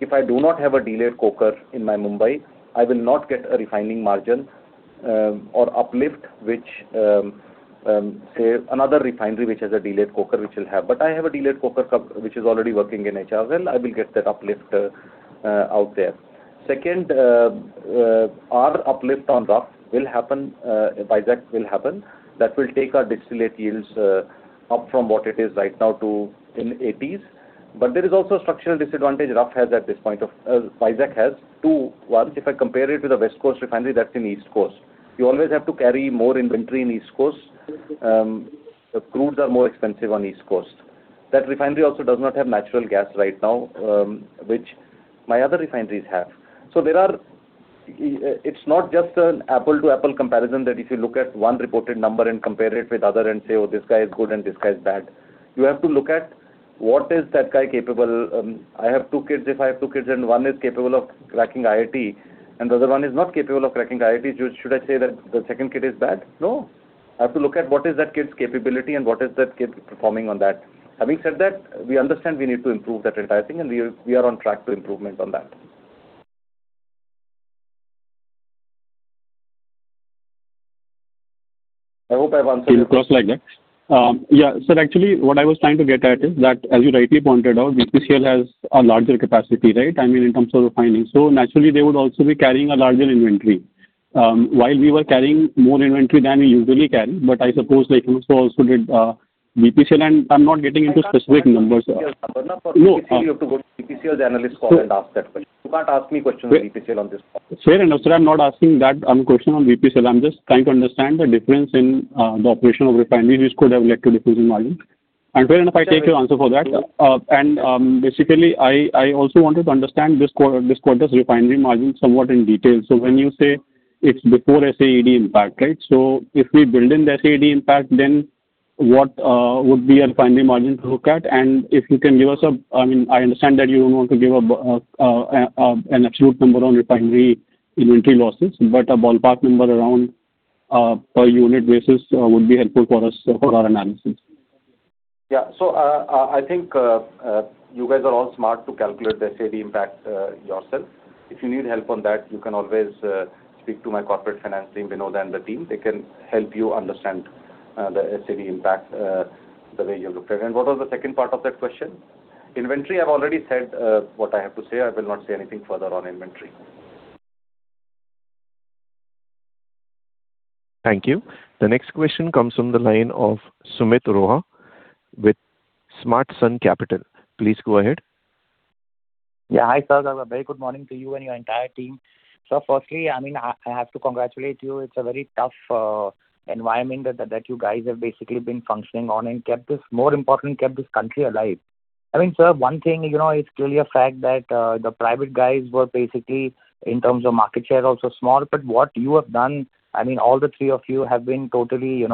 If I do not have a delayed coker in my Mumbai, I will not get a refining margin, or uplift, which, say, another refinery which has a delayed coker, which will have. I have a delayed coker which is already working in HRRL, and I will get that uplift out there. Second, our uplift on rough will happen, at Vizag will happen. That will take our distillate yields up from what it is right now to in 80s. There is also a structural disadvantage Vizag has too. One, if I compare it with a West Coast refinery, that's in East Coast. You always have to carry more inventory in East Coast. The crudes are more expensive on East Coast. That refinery also does not have natural gas right now, which my other refineries have. It's not just an apple-to-apple comparison that if you look at one reported number and compare it with other and say, "Oh, this guy is good and this guy is bad." You have to look at what is that guy capable. I have two kids. If I have two kids and one is capable of cracking IIT and the other one is not capable of cracking IIT, should I say that the second kid is bad? No. I have to look at what is that kid's capability and what is that kid performing on that. Having said that, we understand we need to improve that entire thing, we are on track to improvement on that. I hope I've answered your question. Yes. Sir, actually, what I was trying to get at is that, as you rightly pointed out, BPCL has a larger capacity, right? I mean, in terms of refining. Naturally, they would also be carrying a larger inventory. While we were carrying more inventory than we usually carry, I suppose like you saw also did, BPCL, and I'm not getting into specific numbers- I can't tell you BPCL's number. For BPCL, you have to go to BPCL's analyst call and ask that question. You can't ask me questions on BPCL on this call. Fair enough, sir, I'm not asking that question on BPCL. I'm just trying to understand the difference in the operation of refineries which could have led to decrease in margin. Fair enough, I take your answer for that. Basically, I also wanted to understand this quarter's refinery margin somewhat in detail. When you say it's before SAED impact, right? If we build in the SAED impact, then what would be a refinery margin to look at? If you can give us a, I mean, I understand that you don't want to give an absolute number on refinery inventory losses, but a ballpark number around per unit basis would be helpful for us for our analysis. Yeah. I think you guys are all smart to calculate the SAED impact yourself. If you need help on that, you can always speak to my corporate finance team, Vinod and the team. They can help you understand the SAED impact, the way you looked at it. What was the second part of that question? Inventory, I've already said what I have to say. I will not say anything further on inventory. Thank you. The next question comes from the line of Sumeet Rohra with Smartsun Capital. Please go ahead. Hi, sir. A very good morning to you and your entire team. Sir, firstly, I have to congratulate you. It's a very tough environment that you guys have basically been functioning on and, more importantly, kept this country alive. I mean, sir, one thing, it's clearly a fact that the private guys were basically, in terms of market share, also small. What you have done, I mean, all the three of you have been totally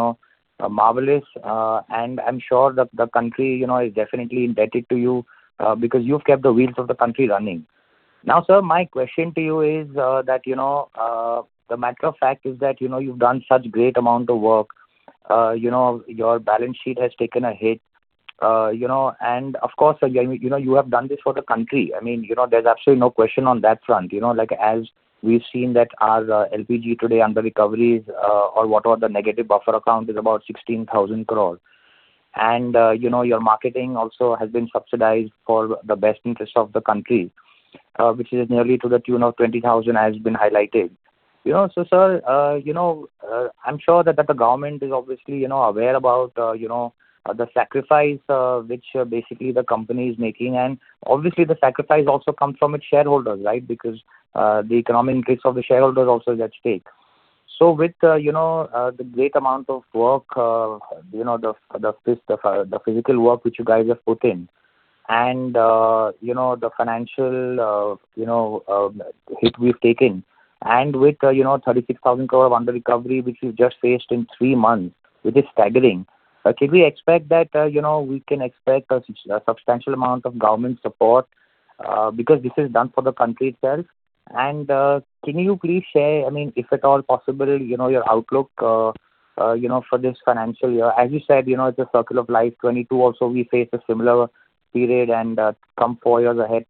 marvelous. I'm sure that the country is definitely indebted to you because you've kept the wheels of the country running. Sir, my question to you is that, the matter of fact is that you've done such great amount of work. Your balance sheet has taken a hit. Of course, sir, you have done this for the country. I mean, there's absolutely no question on that front. As we've seen that our LPG today underrecoveries or whatever the negative buffer account is about 16,000 crore. Your marketing also has been subsidized for the best interest of the country, which is nearly to the tune of 20,000, as has been highlighted. Sir, I'm sure that the government is obviously aware about the sacrifice which basically the company is making. Obviously the sacrifice also comes from its shareholders, right? Because the economic interest of the shareholders also is at stake. With the great amount of work, the physical work which you guys have put in and the financial hit we've taken, and with 26,000 crore of under recovery which you've just faced in three months, which is staggering. Sir, can we expect that we can expect a substantial amount of government support because this is done for the country itself? Can you please share, if at all possible, your outlook for this financial year? As you said, it's a circle of life, 2022 also we faced a similar period and come four years ahead,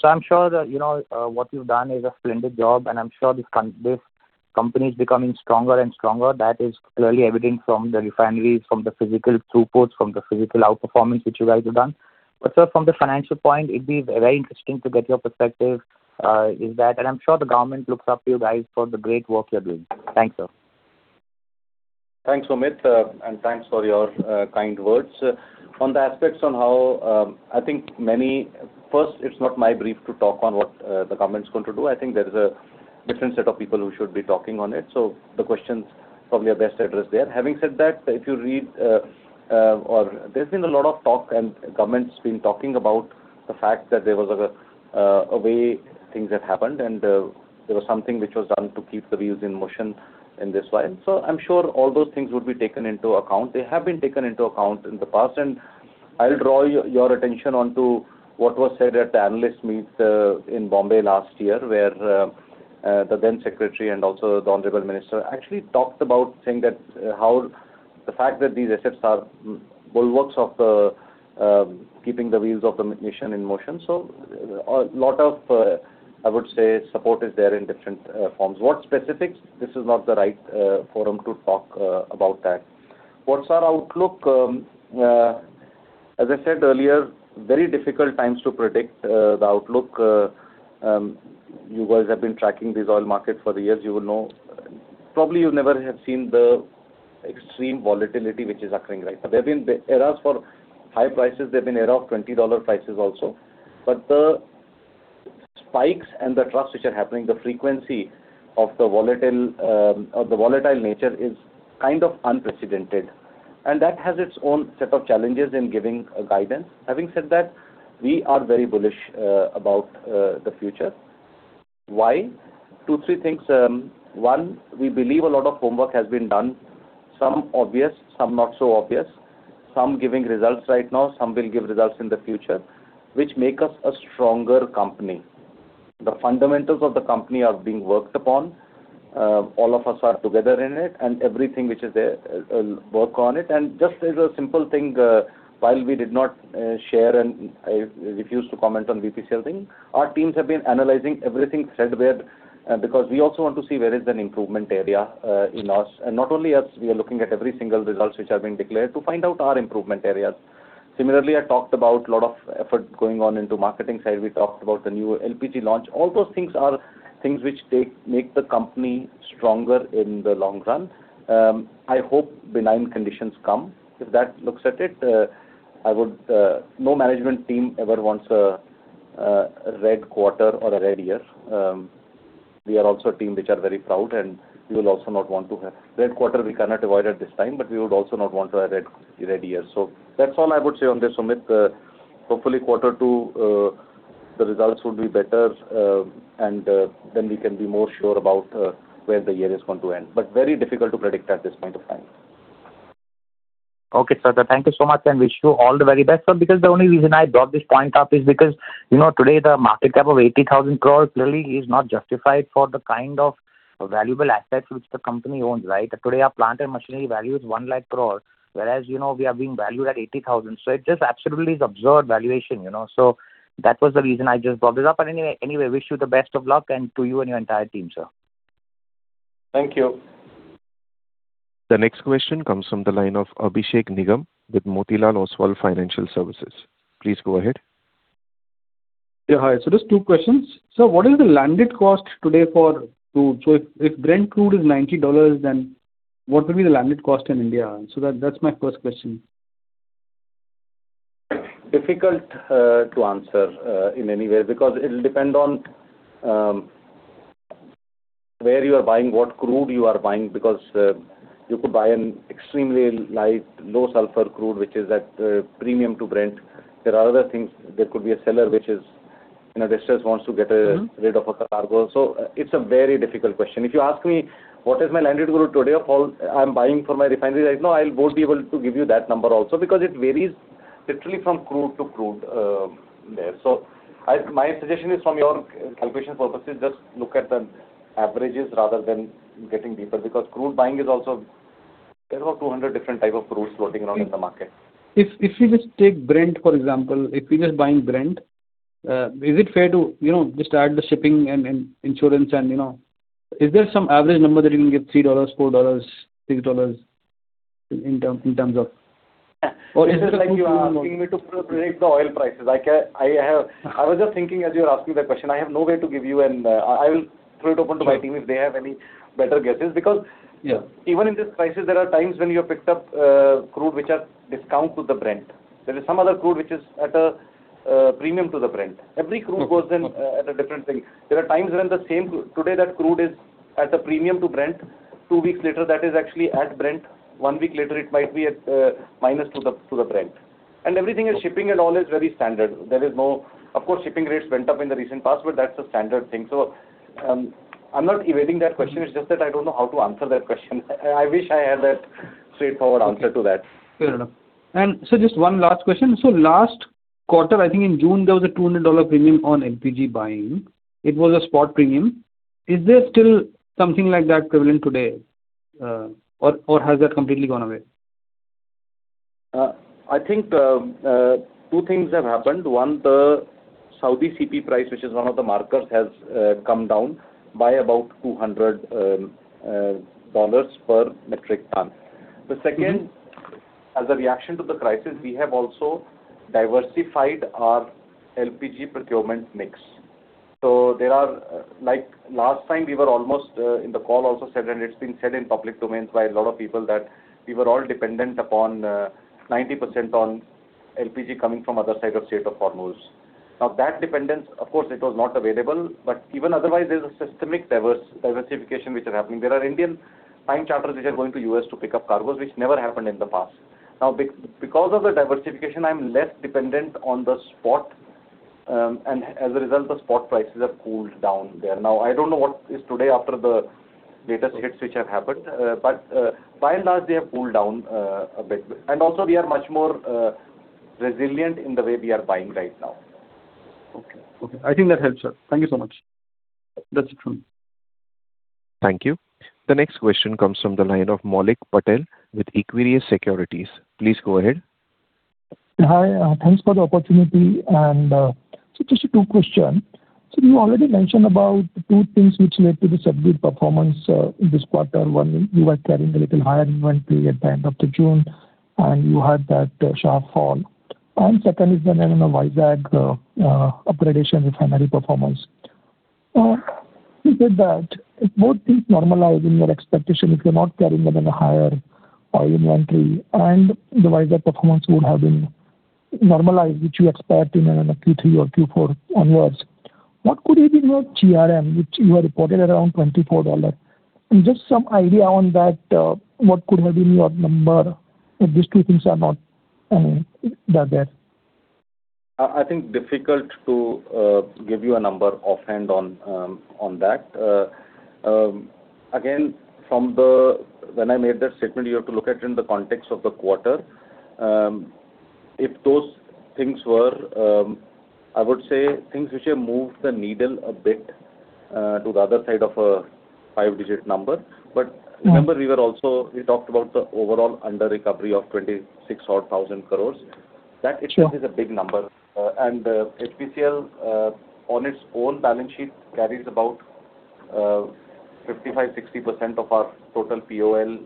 2026. I'm sure that what you've done is a splendid job, I'm sure this company is becoming stronger and stronger. That is clearly evident from the refineries, from the physical throughputs, from the physical outperformance, which you guys have done. Sir, from the financial point, it'd be very interesting to get your perspective in that, I'm sure the government looks up to you guys for the great work you're doing. Thanks, sir. Thanks, Sumeet, and thanks for your kind words. On the aspects on how, First, it's not my brief to talk on what the government's going to do. I think there is a different set of people who should be talking on it. The questions probably are best addressed there. Having said that, There's been a lot of talk and government's been talking about the fact that there was a way things had happened, and there was something which was done to keep the wheels in motion in this way. I'm sure all those things would be taken into account. They have been taken into account in the past. I'll draw your attention onto what was said at the analyst meet in Bombay last year, where the then secretary and also the honorable minister actually talked about saying that how the fact that these assets are bulwarks of keeping the wheels of the nation in motion. A lot of, I would say, support is there in different forms. What specifics? This is not the right forum to talk about that. What's our outlook? As I said earlier, very difficult times to predict the outlook. You guys have been tracking this oil market for years, you will know. Probably you never have seen the extreme volatility which is occurring right now. There have been eras for high prices. There have been eras of $20 prices also. The spikes and the troughs which are happening, the frequency of the volatile nature is kind of unprecedented, and that has its own set of challenges in giving a guidance. Having said that, we are very bullish about the future. Why? Two, three things. One, we believe a lot of homework has been done, some obvious, some not so obvious, some giving results right now, some will give results in the future, which make us a stronger company. The fundamentals of the company are being worked upon. All of us are together in it. Everything which is there, work on it. Just as a simple thing, while we did not share, and I refuse to comment on BPCL's team, our teams have been analyzing everything threadbare because we also want to see where is an improvement area in us. Not only us, we are looking at every single result which has been declared to find out our improvement areas. Similarly, I talked about lot of effort going on into marketing side. We talked about the new LPG launch. All those things are things which make the company stronger in the long run. I hope benign conditions come. If that looks at it, no management team ever wants a red quarter or a red year. We are also a team which are very proud. We will also not want to have red quarter we cannot avoid at this time, but we would also not want to have a red year. That's all I would say on this, Sumeet. Hopefully quarter two, the results will be better. We can be more sure about where the year is going to end, but very difficult to predict at this point of time. Okay, sir. Thank you so much, and wish you all the very best. Sir, because the only reason I brought this point up is because today the market cap of 80,000 crore clearly is not justified for the kind of valuable assets which the company owns, right? Today our plant and machinery value is 1 lakh crore, whereas we are being valued at 80,000. It just absolutely is absurd valuation. That was the reason I just brought this up. Anyway, wish you the best of luck and to you and your entire team, sir. Thank you. The next question comes from the line of Abhishek Nigam with Motilal Oswal Financial Services. Please go ahead. Hi. Just two questions. Sir, what is the landed cost today for crude? If Brent crude is $90, then what will be the landed cost in India? That's my first question. Difficult to answer in any way because it'll depend on where you are buying, what crude you are buying, because you could buy an extremely light, low sulfur crude, which is at a premium to Brent. There are other things. There could be a seller which just wants to get rid of a cargo. It's a very difficult question. If you ask me, what is my landed crude today of all I'm buying for my refinery right now, I won't be able to give you that number also because it varies literally from crude to crude there. My suggestion is from your calculation purposes, just look at the averages rather than getting deeper because crude buying is also there are 200 different type of crudes floating around in the market. If we just take Brent, for example, if we're just buying Brent, is it fair to just add the shipping and insurance? Is there some average number that you can give, $3, $4, $6 in terms of? It is like you are asking me to predict the oil prices. I was just thinking as you are asking that question, I have no way to give you, and I will throw it open to my team if they have any better guesses. Even in this crisis, there are times when you have picked up crude which are discount to Brent. There is some other crude which is at a premium to Brent. Every crude goes in at a different thing. There are times when today that crude is at a premium to Brent, two weeks later, that is actually at Brent, one week later, it might be at minus to Brent. Everything is shipping and all is very standard. Of course, shipping rates went up in the recent past, but that's a standard thing. I'm not evading that question. It's just that I don't know how to answer that question. I wish I had that straightforward answer to that. Fair enough. Sir, just one last question. Last quarter, I think in June, there was a $200 premium on LPG buying. It was a spot premium. Is there still something like that prevalent today? Or has that completely gone away? I think two things have happened. One, the Saudi CP price, which is one of the markers, has come down by about $200 per metric ton. The second, as a reaction to the crisis, we have also diversified our LPG procurement mix. There are, like last time, we were almost, in the call also said, and it's been said in public domains by a lot of people that we were all dependent upon 90% on LPG coming from other side of Strait of Hormuz. That dependence, of course, it was not available, but even otherwise, there's a systemic diversification which is happening. There are Indian time charters which are going to U.S. to pick up cargoes, which never happened in the past. Because of the diversification, I'm less dependent on the spot. As a result, the spot prices have cooled down there. I don't know what is today after the latest hits which have happened. By and large, they have cooled down a bit. Also we are much more resilient in the way we are buying right now. Okay. I think that helps, sir. Thank you so much. That's it from me. Thank you. The next question comes from the line of Maulik Patel with Equirus Securities. Please go ahead. Hi. Thanks for the opportunity. Sir, just two questions. Sir, you already mentioned about two things which led to the subdued performance in this quarter. One, you were carrying a little higher inventory at the end of June, and you had that sharp fall. Second is the Vizag upgradation refinery performance. With that, if both things normalize in your expectation, if you're not carrying even a higher oil inventory and the Vizag performance would have been normalized, which you expect in Q3 or Q4 onwards, what could have been your GRM, which you had reported around $24? Just some idea on that, what could have been your number if these two things are not there? I think difficult to give you a number offhand on that. When I made that statement, you have to look at it in the context of the quarter. If those things were, I would say, things which have moved the needle a bit to the other side of a five-digit number. Remember, we talked about the overall under recovery of 26,000 crore. That itself is a big number, HPCL, on its own balance sheet, carries about 55%-60% of our total POL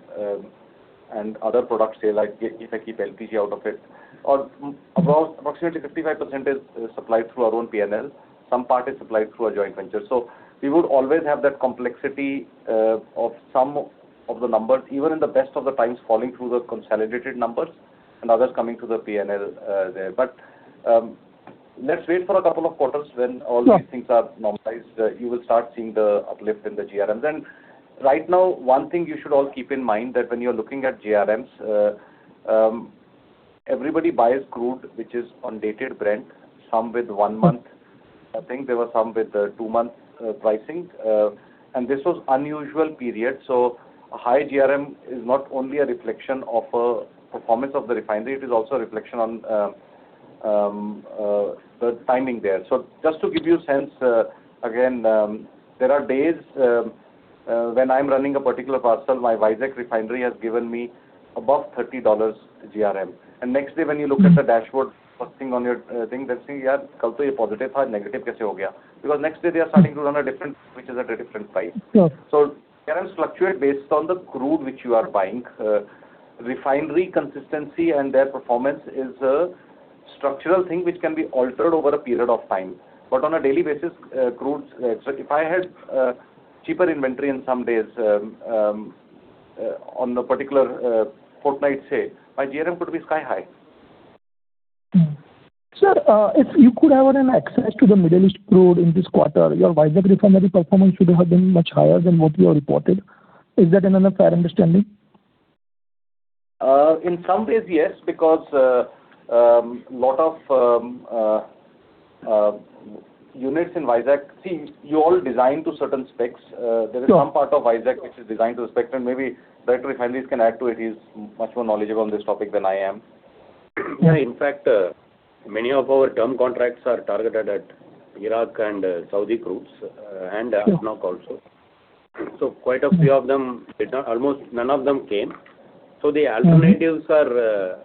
and other products there, if I keep LPG out of it. Approximately 55% is supplied through our own P&L. Some part is supplied through our joint venture. We would always have that complexity of some of the numbers, even in the best of the times, falling through the consolidated numbers and others coming through the P&L there. Let's wait for a couple of quarters when all these things are normalized. You will start seeing the uplift in the GRMs. Right now, one thing you should all keep in mind that when you're looking at GRMs, everybody buys crude, which is on dated Brent, some with one month, I think there were some with two-month pricing. This was unusual period, a high GRM is not only a reflection of a performance of the refinery, it is also a reflection on the timing there. Just to give you a sense, again, there are days when I'm running a particular parcel, my Vizag refinery has given me above $30 GRM. Next day when you look at the dashboard, first thing on your thing, they're saying, "Yesterday it was positive. How did it become negative?" Because next day they are starting to run a different, which is at a different price. GRMs fluctuate based on the crude which you are buying. Refinery consistency and their performance is a structural thing which can be altered over a period of time. On a daily basis, if I had cheaper inventory in some days on a particular fortnight, say, my GRM could be sky high. Sir, if you could have an access to the Middle East crude in this quarter, your Vizag refinery performance should have been much higher than what you have reported. Is that an fair understanding? In some ways, yes, because a lot of units in Vizag, you all design to certain specs. There is some part of Vizag which is designed to a spec, maybe Director Refineries can add to it. He's much more knowledgeable on this topic than I am. Yeah. In fact, many of our term contracts are targeted at Iraq and Saudi crudes, ADNOC also. Quite a few of them, almost none of them came. The alternatives are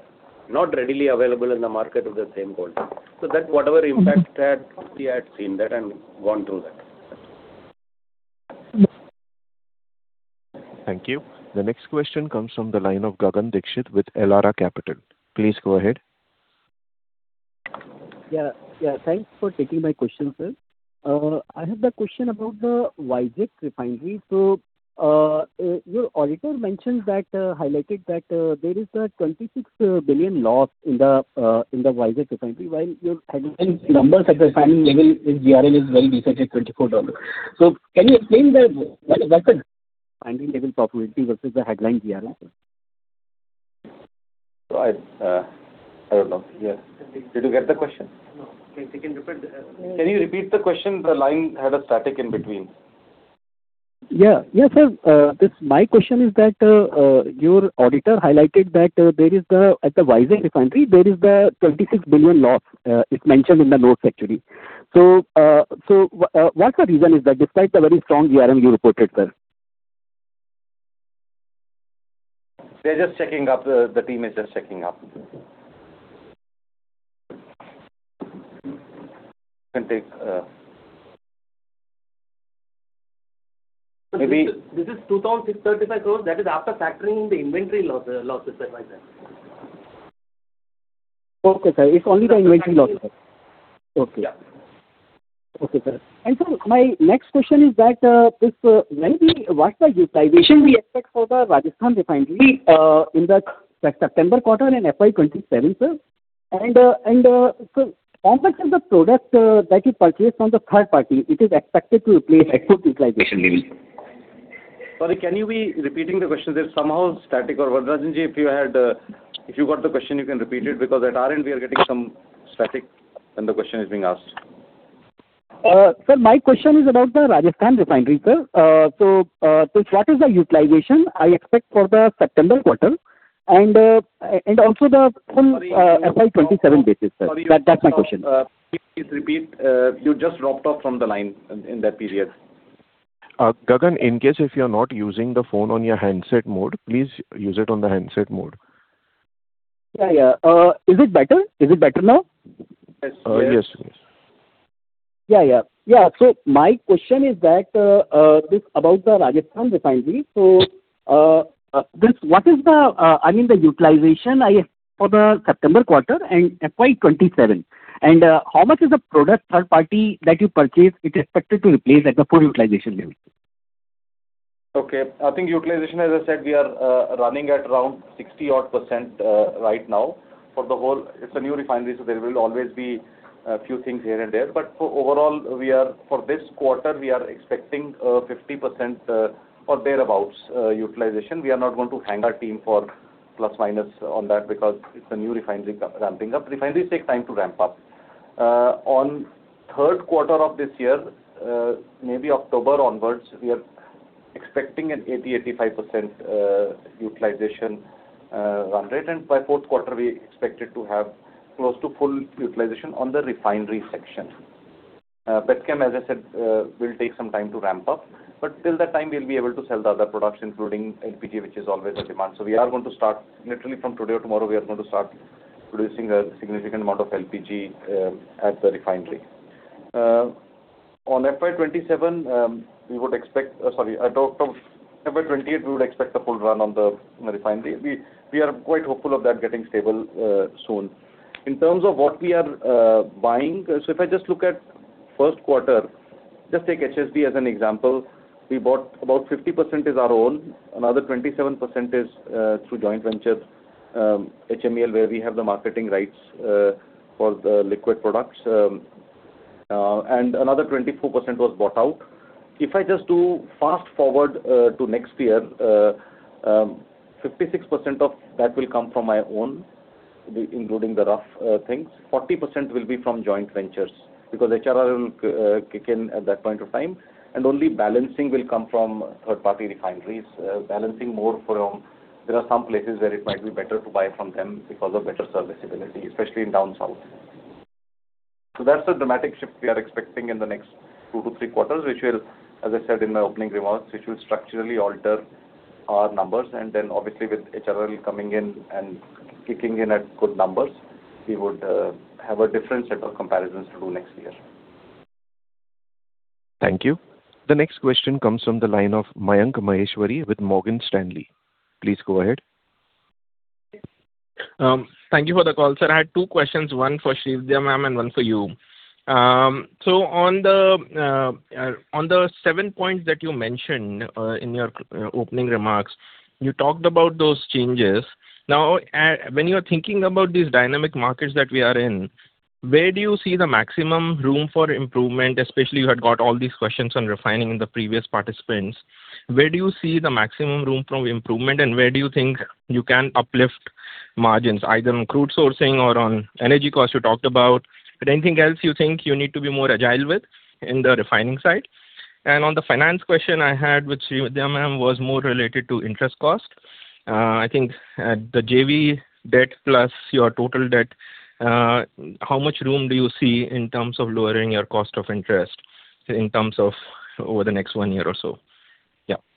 not readily available in the market with the same quality. That whatever impact that we had seen that and gone through that. Thank you. The next question comes from the line of Gagan Dixit with Elara Capital. Please go ahead. Yeah. Thanks for taking my question, sir. I have the question about the Vizag refinery. Your auditor highlighted that there is an 26 billion loss in the Vizag refinery, while your headline numbers at the refinery level, its GRM is very decent at $24. Can you explain what is that refinery level profitability versus the headline GRM? I don't know. Yeah. Did you get the question? No. He can repeat the question. Can you repeat the question? The line had a static in between. Yeah. Sir, my question is that your auditor highlighted that at the Vizag Refinery, there is the 26 billion loss. It is mentioned in the notes, actually. What is the reason is that, despite the very strong GRM you reported, sir? They are just checking up. The team is just checking up. You can take, maybe. This is 2,635 crore. That is after factoring the inventory losses at Vizag. Okay, sir. It's only the inventory loss. Yeah. Okay. Sir, my next question is that, what's the utilization we expect for the Rajasthan refinery in the September quarter in FY 2027, sir? Sir, how much is the product that you purchased from the third party it is expected to replace at full utilization level? Sorry, can you be repeating the question? There's somehow static or what. [inaudible] if you got the question, you can repeat it, because at our end we are getting some static when the question is being asked. Sir, my question is about the Rajasthan refinery, sir. What is the utilization I expect for the September quarter, and also from FY 2027 basis, sir. That's my question. Please repeat. You just dropped off from the line in that period. Gagan, in case if you're not using the phone on your handset mode, please use it on the handset mode. Yeah. Is it better now? Yes please. Yeah. My question is that, this about the Rajasthan refinery. What is the utilization for the September quarter and FY 2027? How much is the product third party that you purchased it is expected to replace at the full utilization level? Okay. I think utilization, as I said, we are running at around 60-odd% right now for the whole. It's a new refinery, so there will always be a few things here and there. But overall, for this quarter, we are expecting 50% or thereabouts utilization. We are not going to hang our team for plus/minus on that because it's a new refinery ramping up. Refineries take time to ramp up. On Q3 of this year, maybe October onwards, we are expecting an 80%-85% utilization run rate. By Q4, we expect it to have close to full utilization on the refinery section. Petchem, as I said, will take some time to ramp up. But till that time, we'll be able to sell the other products, including LPG, which is always in demand. We are going to start, literally from today or tomorrow, we are going to start producing a significant amount of LPG at the refinery. On FY 2028, we would expect a full run on the refinery. We are quite hopeful of that getting stable soon. In terms of what we are buying, so if I just look at Q1, just take HSD as an example. We bought about 50% is our own, another 27% is through joint ventures, HMEL, where we have the marketing rights for the liquid products, and another 24% was bought out. If I just do fast-forward to next year, 56% of that will come from my own, including the rough things, 40% will be from joint ventures, because HRRL will kick in at that point of time, and only balancing will come from third-party refineries. Balancing more from, there are some places where it might be better to buy from them because of better service ability, especially in down south. That's the dramatic shift we are expecting in the next 2-3 quarters, which will, as I said in my opening remarks, which will structurally alter our numbers. Then obviously with HRRL coming in and kicking in at good numbers, we would have a different set of comparisons to do next year. Thank you. The next question comes from the line of Mayank Maheshwari with Morgan Stanley. Please go ahead. Thank you for the call, sir. I had two questions, one for Srividya, ma'am, and one for you. On the seven points that you mentioned in your opening remarks, you talked about those changes. When you're thinking about these dynamic markets that we are in, where do you see the maximum room for improvement, especially you had got all these questions on refining in the previous participants. Where do you see the maximum room for improvement, and where do you think you can uplift margins, either on crude sourcing or on energy cost you talked about? Anything else you think you need to be more agile with in the refining side? And on the finance question I had with Srividya, ma'am, was more related to interest cost. I think the JV debt plus your total debt, how much room do you see in terms of lowering your cost of interest in terms of over the next one year or so?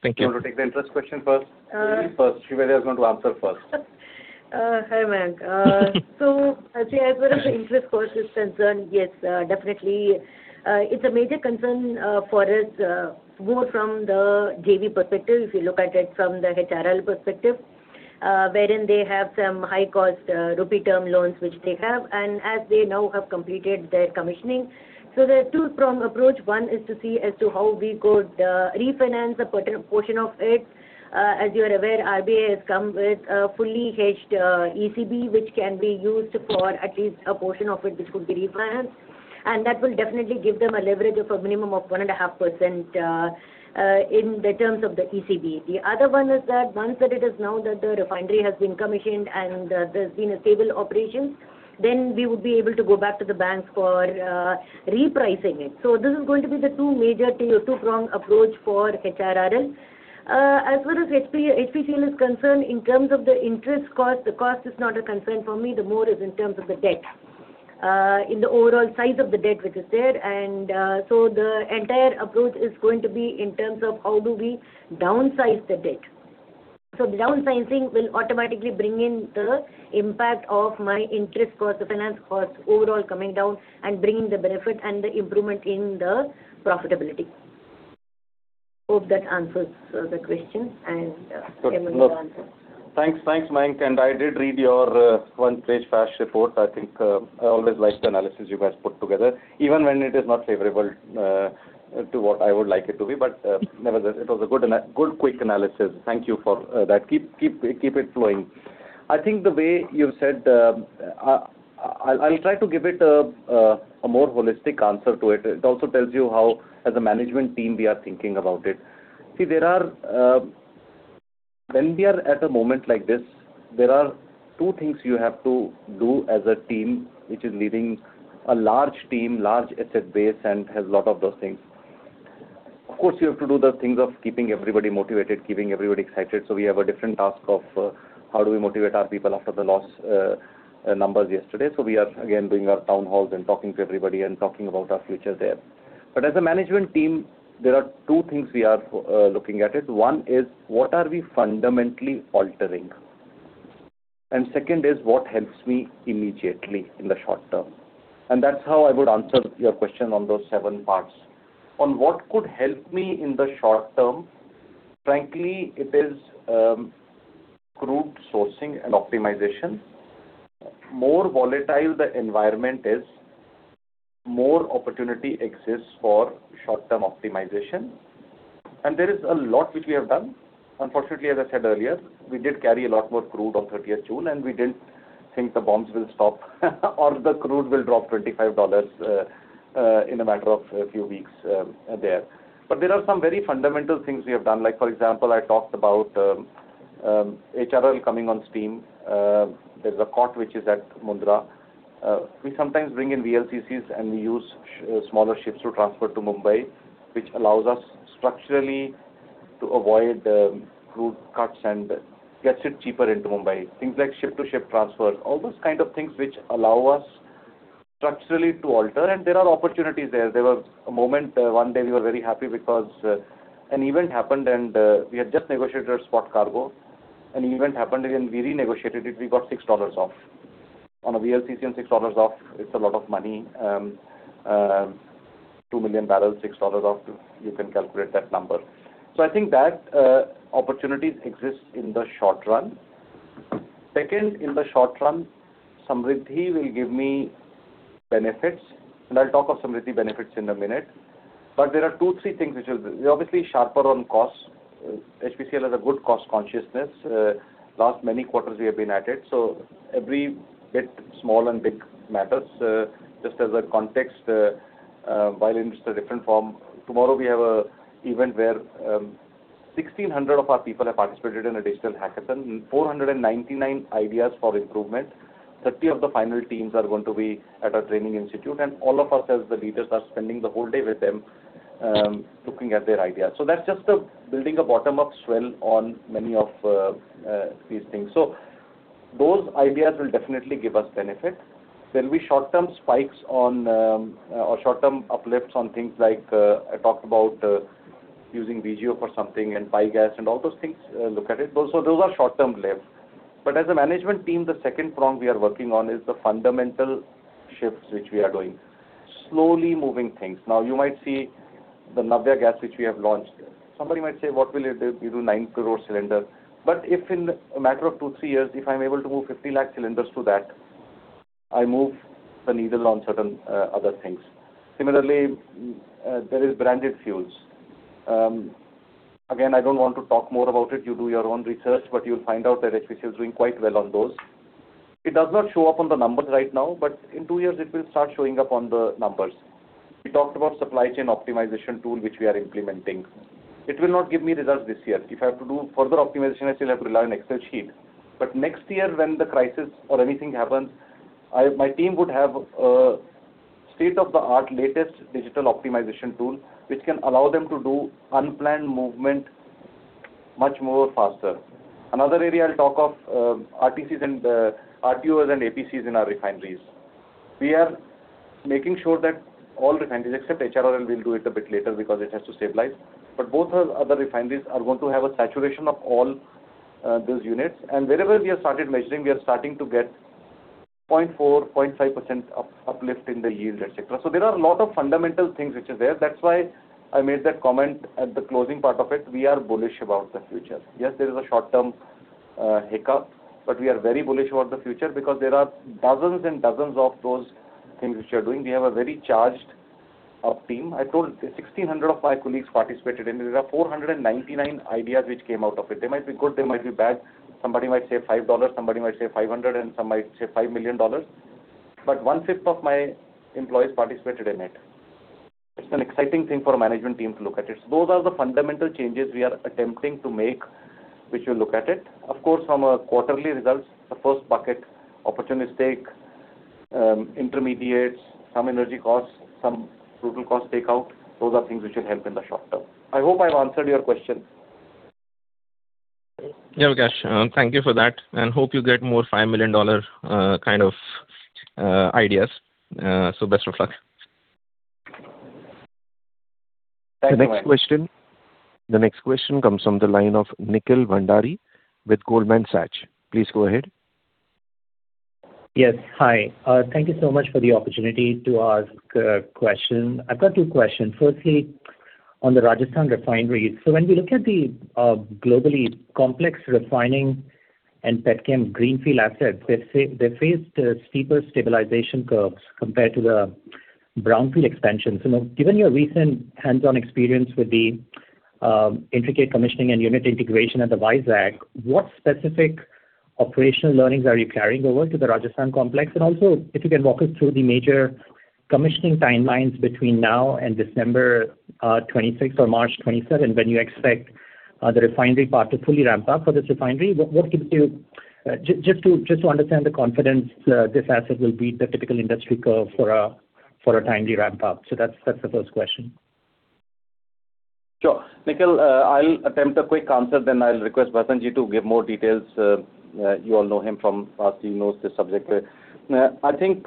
Thank you. You want to take the interest question first? Srividya is going to answer first. Hi, Mayank. As far as the interest cost is concerned, yes, definitely, it's a major concern for us, more from the JV perspective, if you look at it from the HRRL perspective, wherein they have some high-cost rupee term loans which they have. As they now have completed their commissioning. There are two prong approach. One is to see as to how we could refinance a portion of it. As you are aware, RBI has come with a fully hedged ECB, which can be used for at least a portion of it, which could be refinanced, and that will definitely give them a leverage of a minimum of 1.5% in the terms of the ECB. The other one is that, once that it is known that the refinery has been commissioned and there's been a stable operations, then we would be able to go back to the banks for repricing it. This is going to be the two-pronged approach for HRRL. As far as HPCL is concerned, in terms of the interest cost, the cost is not a concern for me, the more is in terms of the debt, in the overall size of the debt which is there. The entire approach is going to be in terms of how do we downsize the debt. Downsizing will automatically bring in the impact of my interest cost, the finance cost overall coming down and bringing the benefit and the improvement in the profitability. Hope that answers the question, and. Thanks. Thanks, Mayank, and I did read your one-page flash report. I always like the analysis you guys put together, even when it is not favorable to what I would like it to be. Nevertheless, it was a good, quick analysis. Thank you for that. Keep it flowing. I'll try to give it a more holistic answer to it. It also tells you how, as a management team, we are thinking about it. When we are at a moment like this, there are two things you have to do as a team, which is leading a large team, large asset base, and has a lot of those things. Of course, you have to do the things of keeping everybody motivated, keeping everybody excited. We have a different task of how do we motivate our people after the loss numbers yesterday. We are again doing our town halls and talking to everybody and talking about our future there. As a management team, there are two things we are looking at it. One is, what are we fundamentally altering? Second is what helps me immediately in the short term. That's how I would answer your question on those seven parts. On what could help me in the short term, frankly, it is crude sourcing and optimization. More volatile the environment is, more opportunity exists for short-term optimization. There is a lot which we have done. Unfortunately, as I said earlier, we did carry a lot more crude on 30th June, and we didn't think the bombs will stop or the crude will drop $25 in a matter of a few weeks there. There are some very fundamental things we have done, like for example, I talked about HRRL coming on stream. There's a COT which is at Mundra. We sometimes bring in VLCCs and we use smaller ships to transfer to Mumbai, which allows us structurally to avoid route cuts and gets it cheaper into Mumbai. Things like ship-to-ship transfer, all those kind of things which allow us structurally to alter. There are opportunities there. There was a moment, one day we were very happy because an event happened and we had just negotiated a spot cargo. An event happened, and we renegotiated it. We got $6 off. On a VLCC, getting $6 off, it's a lot of money. 2 million barrels, $6 off, you can calculate that number. I think that opportunities exist in the short run. Second, in the short run, Samriddhi will give me benefits, and I'll talk of Samriddhi benefits in a minute. There are two, three things. We're obviously sharper on costs. HPCL has a good cost consciousness. Last many quarters we have been at it, so every bit, small and big, matters. Just as a context, while it is a different form, tomorrow we have a event where 1,600 of our people have participated in a digital hackathon, 499 ideas for improvement. 30 of the final teams are going to be at a training institute, and all of us, as the leaders, are spending the whole day with them, looking at their ideas. That's just building a bottom-up swell on many of these things. Those ideas will definitely give us benefit. There'll be short-term spikes on, or short-term uplifts on things like, I talked about using VGO for something and biogas, and all those things, look at it. Those are short-term lifts. As a management team, the second prong we are working on is the fundamental shifts which we are doing. Slowly moving things. You might see the HP Navya Gas, which we have launched. Somebody might say, "What will it do? You do nine crore cylinder." If in a matter of two, three years, if I'm able to move 50 lakh cylinders to that, I move the needle on certain other things. Similarly, there is branded fuels. Again, I don't want to talk more about it. You do your own research, but you'll find out that HPCL's doing quite well on those. It does not show up on the numbers right now, in two years it will start showing up on the numbers. We talked about supply chain optimization tool, which we are implementing. It will not give me results this year. If I have to do further optimization, I still have to rely on Excel sheet. Next year, when the crisis or anything happens, my team would have a state-of-the-art latest digital optimization tool which can allow them to do unplanned movement much more faster. Another area I'll talk of, RTCs and RTUs and APCs in our refineries. We are making sure that all refineries, except HRRL, we'll do it a bit later because it has to stabilize. Both our other refineries are going to have a saturation of all those units. Wherever we have started measuring, we are starting to get 0.4%, 0.5% uplift in the yield, et cetera. There are a lot of fundamental things which are there. That's why I made that comment at the closing part of it. We are bullish about the future. Yes, there is a short-term hiccup, we are very bullish about the future because there are dozens and dozens of those things which we are doing. We have a very charged up team. I told you, 1,600 of my colleagues participated in it. There are 499 ideas which came out of it. They might be good, they might be bad. Somebody might say INR 5, somebody might say 500, and some might say INR 5 million. One-fifth of my employees participated in it. It's an exciting thing for a management team to look at it. Those are the fundamental changes we are attempting to make, which we'll look at it. Of course, from a quarterly results, the first bucket, opportunistic, intermediates, some energy costs, some frugal cost takeout, those are things which should help in the short term. I hope I've answered your question. Yeah, Vikas. Thank you for that, and hope you get more $5 million kind of ideas. Best of luck. Thank you. The next question comes from the line of Nikhil Bhandari with Goldman Sachs. Please go ahead. Yes. Hi. Thank you so much for the opportunity to ask a question. I've got two questions. Firstly, on the Rajasthan Refinery. When we look at the globally complex refining and Petchem greenfield assets, they faced steeper stabilization curves compared to the brownfield expansions. Given your recent hands-on experience with the intricate commissioning and unit integration at the Vizag, what specific operational learnings are you carrying over to the Rajasthan complex? Also, if you can walk us through the major commissioning timelines between now and December 2026 or March 2027, when you expect the refinery part to fully ramp up for this refinery. Just to understand the confidence this asset will beat the typical industry curve for a timely ramp up. That's the first question. Sure. Nikhil, I'll attempt a quick answer, then I'll request Bharathan-ji to give more details. You all know him from asking, knows this subject well. I think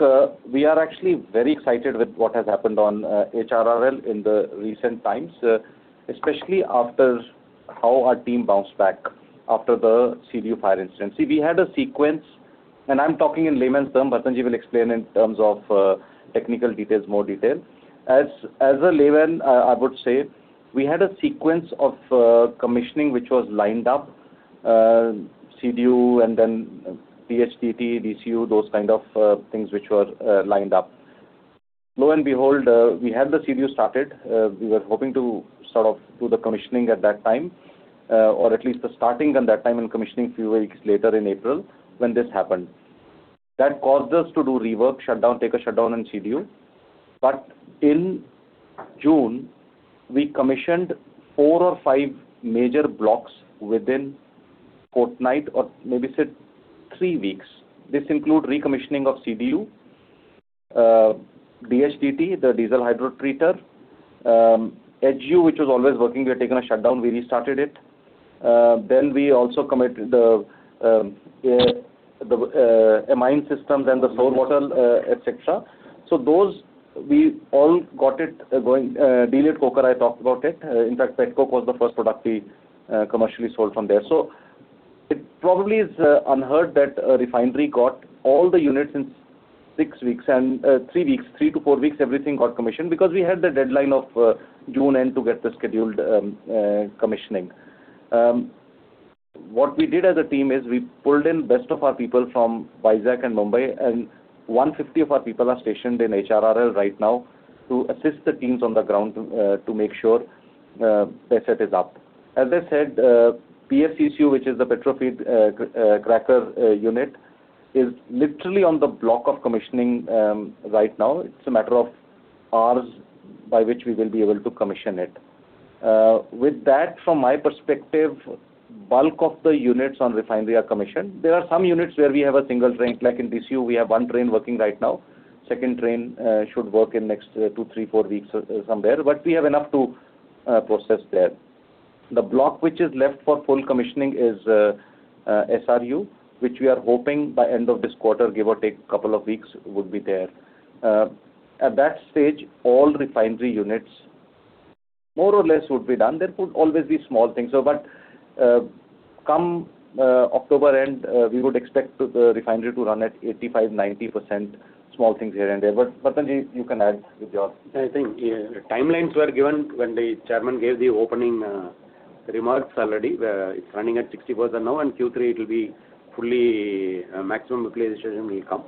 we are actually very excited with what has happened on HRRL in the recent times, especially after how our team bounced back after the CDU fire incident. We had a sequence, and I'm talking in layman's term. Bharathan-ji will explain in terms of technical details, more detail. As a layman, I would say we had a sequence of commissioning which was lined up. CDU, then DHDT, DCU, those kind of things which were lined up. Lo and behold, we had the CDU started. We were hoping to sort of do the commissioning at that time. At least the starting at that time and commissioning few weeks later in April, when this happened. That caused us to do rework, take a shutdown in CDU. In June, we commissioned four or five major blocks within fortnight or maybe, say three weeks. This include recommissioning of CDU, DHDT, the diesel hydrotreater, HU, which was always working, we had taken a shutdown, we restarted it. We also committed the amine systems and the sulfur block, et cetera. Those, we all got it going. Delayed coker, I talked about it. In fact, pet coke was the first product we commercially sold from there. It probably is unheard that a refinery got all the units in three to four weeks, everything got commissioned, because we had the deadline of June end to get the scheduled commissioning. What we did as a team is we pulled in best of our people from Vizag and Mumbai, and 150 of our people are stationed in HRRL right now to assist the teams on the ground to make sure their set is up. As I said, PFCCU, which is the Petro Fluidized Catalytic Cracking Unit, is literally on the block of commissioning right now. It's a matter of hours by which we will be able to commission it. With that, from my perspective, bulk of the units on refinery are commissioned. There are some units where we have a single train, like in DCU, we have one train working right now. Second train should work in next two, three, four weeks, somewhere. We have enough to process there. The block which is left for full commissioning is SRU, which we are hoping by end of this quarter, give or take a couple of weeks, would be there. At that stage, all refinery units more or less would be done. There could always be small things. Come October end, we would expect the refinery to run at 85%-90%, small things here and there. Bharathan-ji, you can add with your. I think timelines were given when the chairman gave the opening remarks already, where it's running at 60% now, and Q3, it will be fully, maximum utilization will come.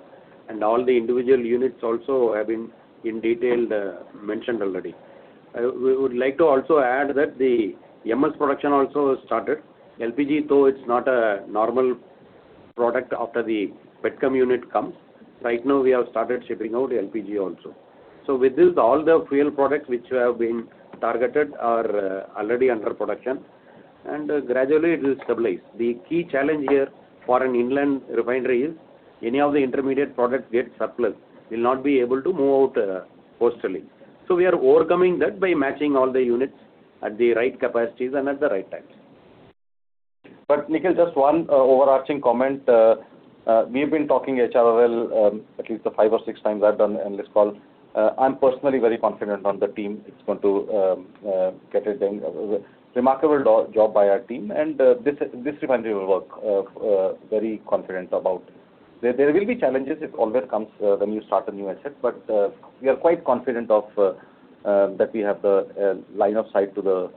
All the individual units also have been in detail mentioned already. We would like to also add that the MS production also started. LPG, though it's not a normal product after the petchem unit comes. Right now, we have started shipping out LPG also. With this, all the fuel products which have been targeted are already under production. Gradually it will stabilize. The key challenge here for an inland refinery is any of the intermediate product gets surplus, will not be able to move out postally. We are overcoming that by matching all the units at the right capacities and at the right times. Nikhil, just one overarching comment. We have been talking HRRL at least five or six times I've done in this call. I'm personally very confident on the team. It's going to get it done. Remarkable job by our team, and this refinery will work. Very confident about. There will be challenges, it always comes when you start a new asset. We are quite confident that we have the line of sight to the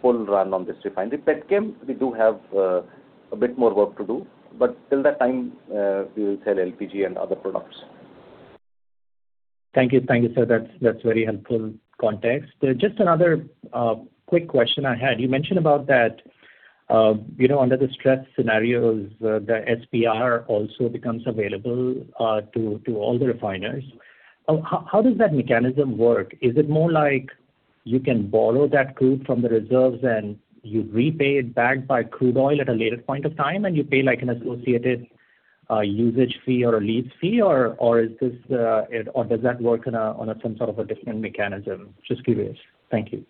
full run on this refinery. Petchem, we do have a bit more work to do. Till that time, we will sell LPG and other products. Thank you, sir. That's very helpful context. Just another quick question I had. You mentioned about that under the stress scenarios, the SPR also becomes available to all the refiners. How does that mechanism work? Is it more like you can borrow that crude from the reserves, and you repay it back by crude oil at a later point of time, and you pay an associated usage fee or a lease fee, or does that work on some sort of a different mechanism? Just curious. Thank you.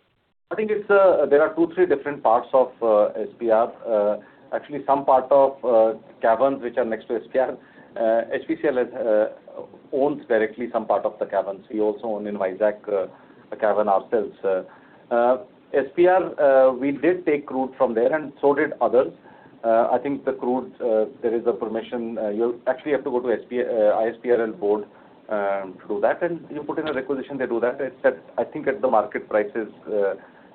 I think there are two, three different parts of SPR. Actually, some part of caverns which are next to SPR. HPCL owns directly some part of the caverns. We also own in Vizag a cavern ourselves. SPR, we did take crude from there, and so did others. I think the crude, there is a permission, you actually have to go to ISPRL board to do that, and you put in a requisition, they do that. It's at, I think, at the market prices,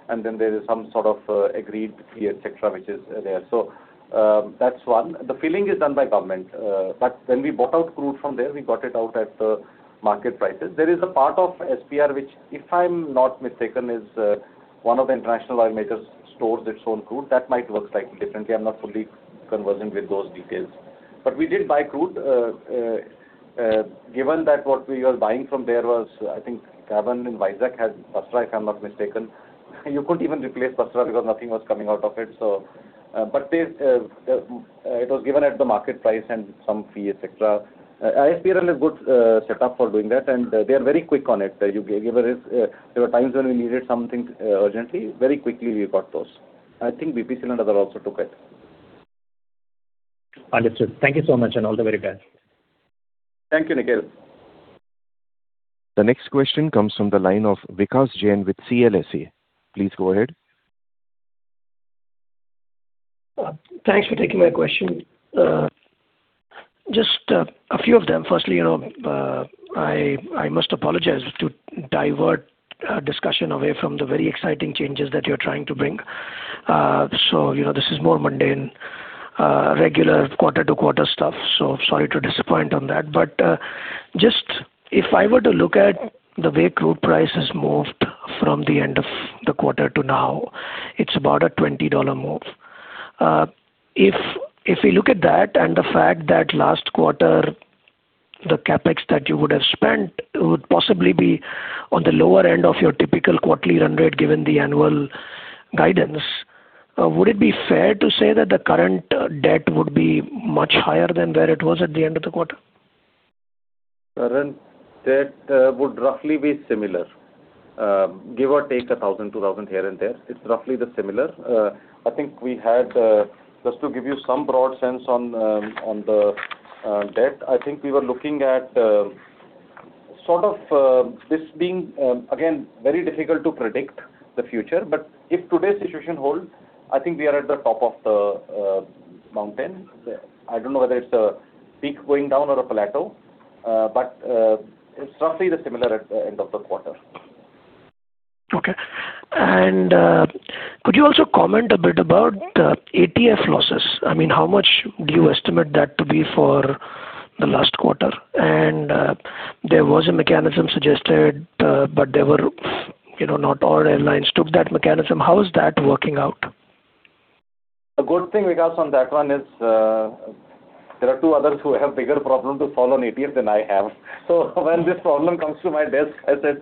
and then there is some sort of agreed fee, et cetera, which is there. That's one. The filling is done by government. When we bought out crude from there, we got it out at market prices. There is a part of SPR which, if I'm not mistaken, is one of the international oil majors stores its own crude. That might work slightly differently. I'm not fully conversant with those details. We did buy crude. Given that what we were buying from there was, I think, cavern in Vizag had Basrah, if I'm not mistaken. You couldn't even replace Basrah because nothing was coming out of it. It was given at the market price and some fee, et cetera. ISPRL is good set up for doing that, and they are very quick on it. There were times when we needed something urgently, very quickly we got those. I think BPCL and other also took it. Understood. Thank you so much. All the very best. Thank you, Nikhil. The next question comes from the line of Vikash Jain with CLSA. Please go ahead. Thanks for taking my question. Just a few of them. Firstly, I must apologize to divert discussion away from the very exciting changes that you're trying to bring. This is more mundane, regular quarter-to-quarter stuff, sorry to disappoint on that. Just if I were to look at the way crude price has moved from the end of the quarter to now, it's about a $20 move. If we look at that and the fact that last quarter the CapEx that you would have spent would possibly be on the lower end of your typical quarterly run rate, given the annual guidance. Would it be fair to say that the current debt would be much higher than where it was at the end of the quarter? Current debt would roughly be similar. Give or take 1,000, 2,000 here and there. It's roughly similar. Just to give you some broad sense on the debt, I think we were looking at this being, again, very difficult to predict the future, if today's situation holds, I think we are at the top of the mountain. I don't know whether it's a peak going down or a plateau, it's roughly similar at the end of the quarter. Okay. Could you also comment a bit about ATF losses? How much do you estimate that to be for the last quarter? There was a mechanism suggested, not all airlines took that mechanism. How is that working out? A good thing, Vikash, on that one is, there are two others who have bigger problem to solve on ATF than I have. When this problem comes to my desk, I said, "Okay, I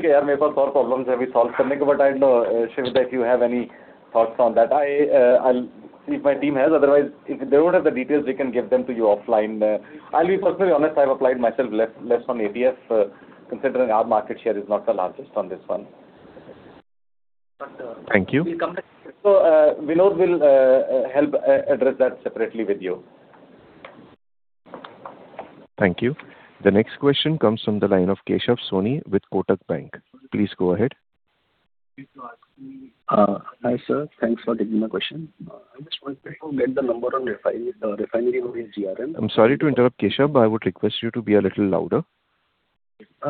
have other problems to solve." I don't know, Shiv, if you have any thoughts on that. I'll see if my team has. Otherwise, if they don't have the details, we can give them to you offline. I'll be personally honest, I've applied myself less on ATF, considering our market share is not the largest on this one. Thank you. Vinod will help address that separately with you. Thank you. The next question comes from the line of Keshav Soni with Kotak Bank. Please go ahead. Hi, sir. Thanks for taking my question. I just wanted to get the number on refinery-wide GRM. I'm sorry to interrupt, Keshav. I would request you to be a little louder.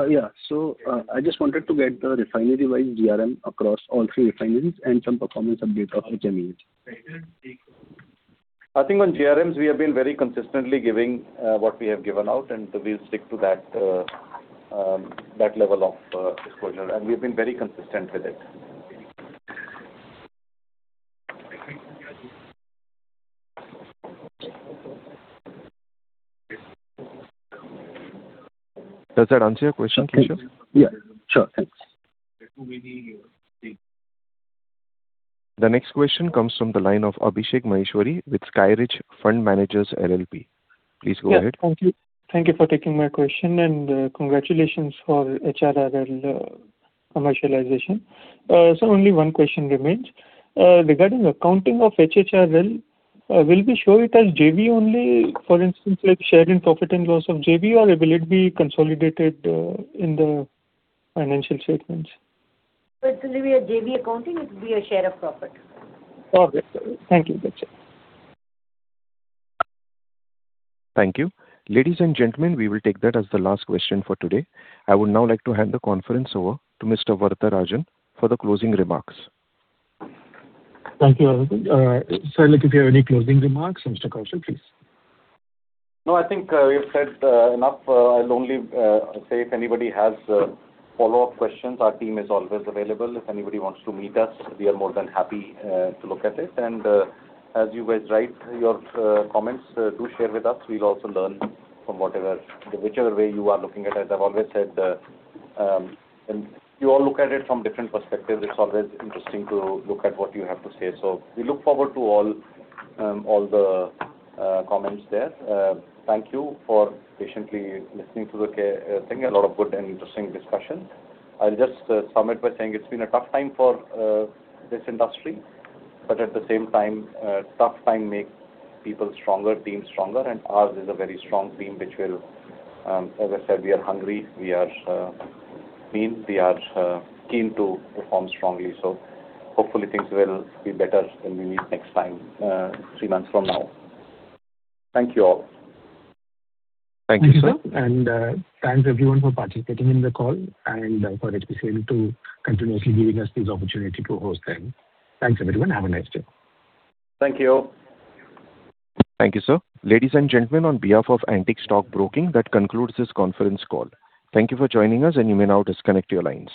Yeah. I just wanted to get the refinery-wide GRM across all three refineries and some performance update of 15. I think on GRMs, we have been very consistently giving what we have given out, and we'll stick to that level of disclosure. We've been very consistent with it. Does that answer your question, Keshav? Yeah, sure. Thanks. The next question comes from the line of Abhishek Maheshwari with Skyridge Fund Managers LLP. Please go ahead. Yeah. Thank you. Thank you for taking my question, and congratulations for HRRL commercialization. Sir, only one question remains. Regarding accounting of HRRL, will we show it as JV only, for instance, with share in profit and loss of JV, or will it be consolidated in the financial statements? It will be a JV accounting. It will be a share of profit. Okay, sir. Thank you. That's it. Thank you. Ladies and gentlemen, we will take that as the last question for today. I would now like to hand the conference over to Mr. Varatharajan for the closing remarks. Thank you, everyone. Sir, if you have any closing remarks, Mr. Kaushal, please. No, I think we've said enough. I'll only say if anybody has follow-up questions, our team is always available. If anybody wants to meet us, we are more than happy to look at it. As you guys write your comments, do share with us. We'll also learn from whichever way you are looking at it. I've always said you all look at it from different perspectives. It's always interesting to look at what you have to say. We look forward to all the comments there. Thank you for patiently listening to the thing, a lot of good and interesting discussion. I'll just sum it by saying it's been a tough time for this industry, but at the same time, tough time make people stronger, teams stronger, and ours is a very strong team. As I said, we are hungry, we are mean, we are keen to perform strongly. Hopefully things will be better when we meet next time, three months from now. Thank you all. Thank you, sir. Thank you, sir. Thanks, everyone, for participating in the call and for HPCL to continuously giving us this opportunity to host them. Thanks, everyone. Have a nice day. Thank you. Thank you, sir. Ladies and gentlemen, on behalf of Antique Stock Broking, that concludes this conference call. Thank you for joining us and you may now disconnect your lines.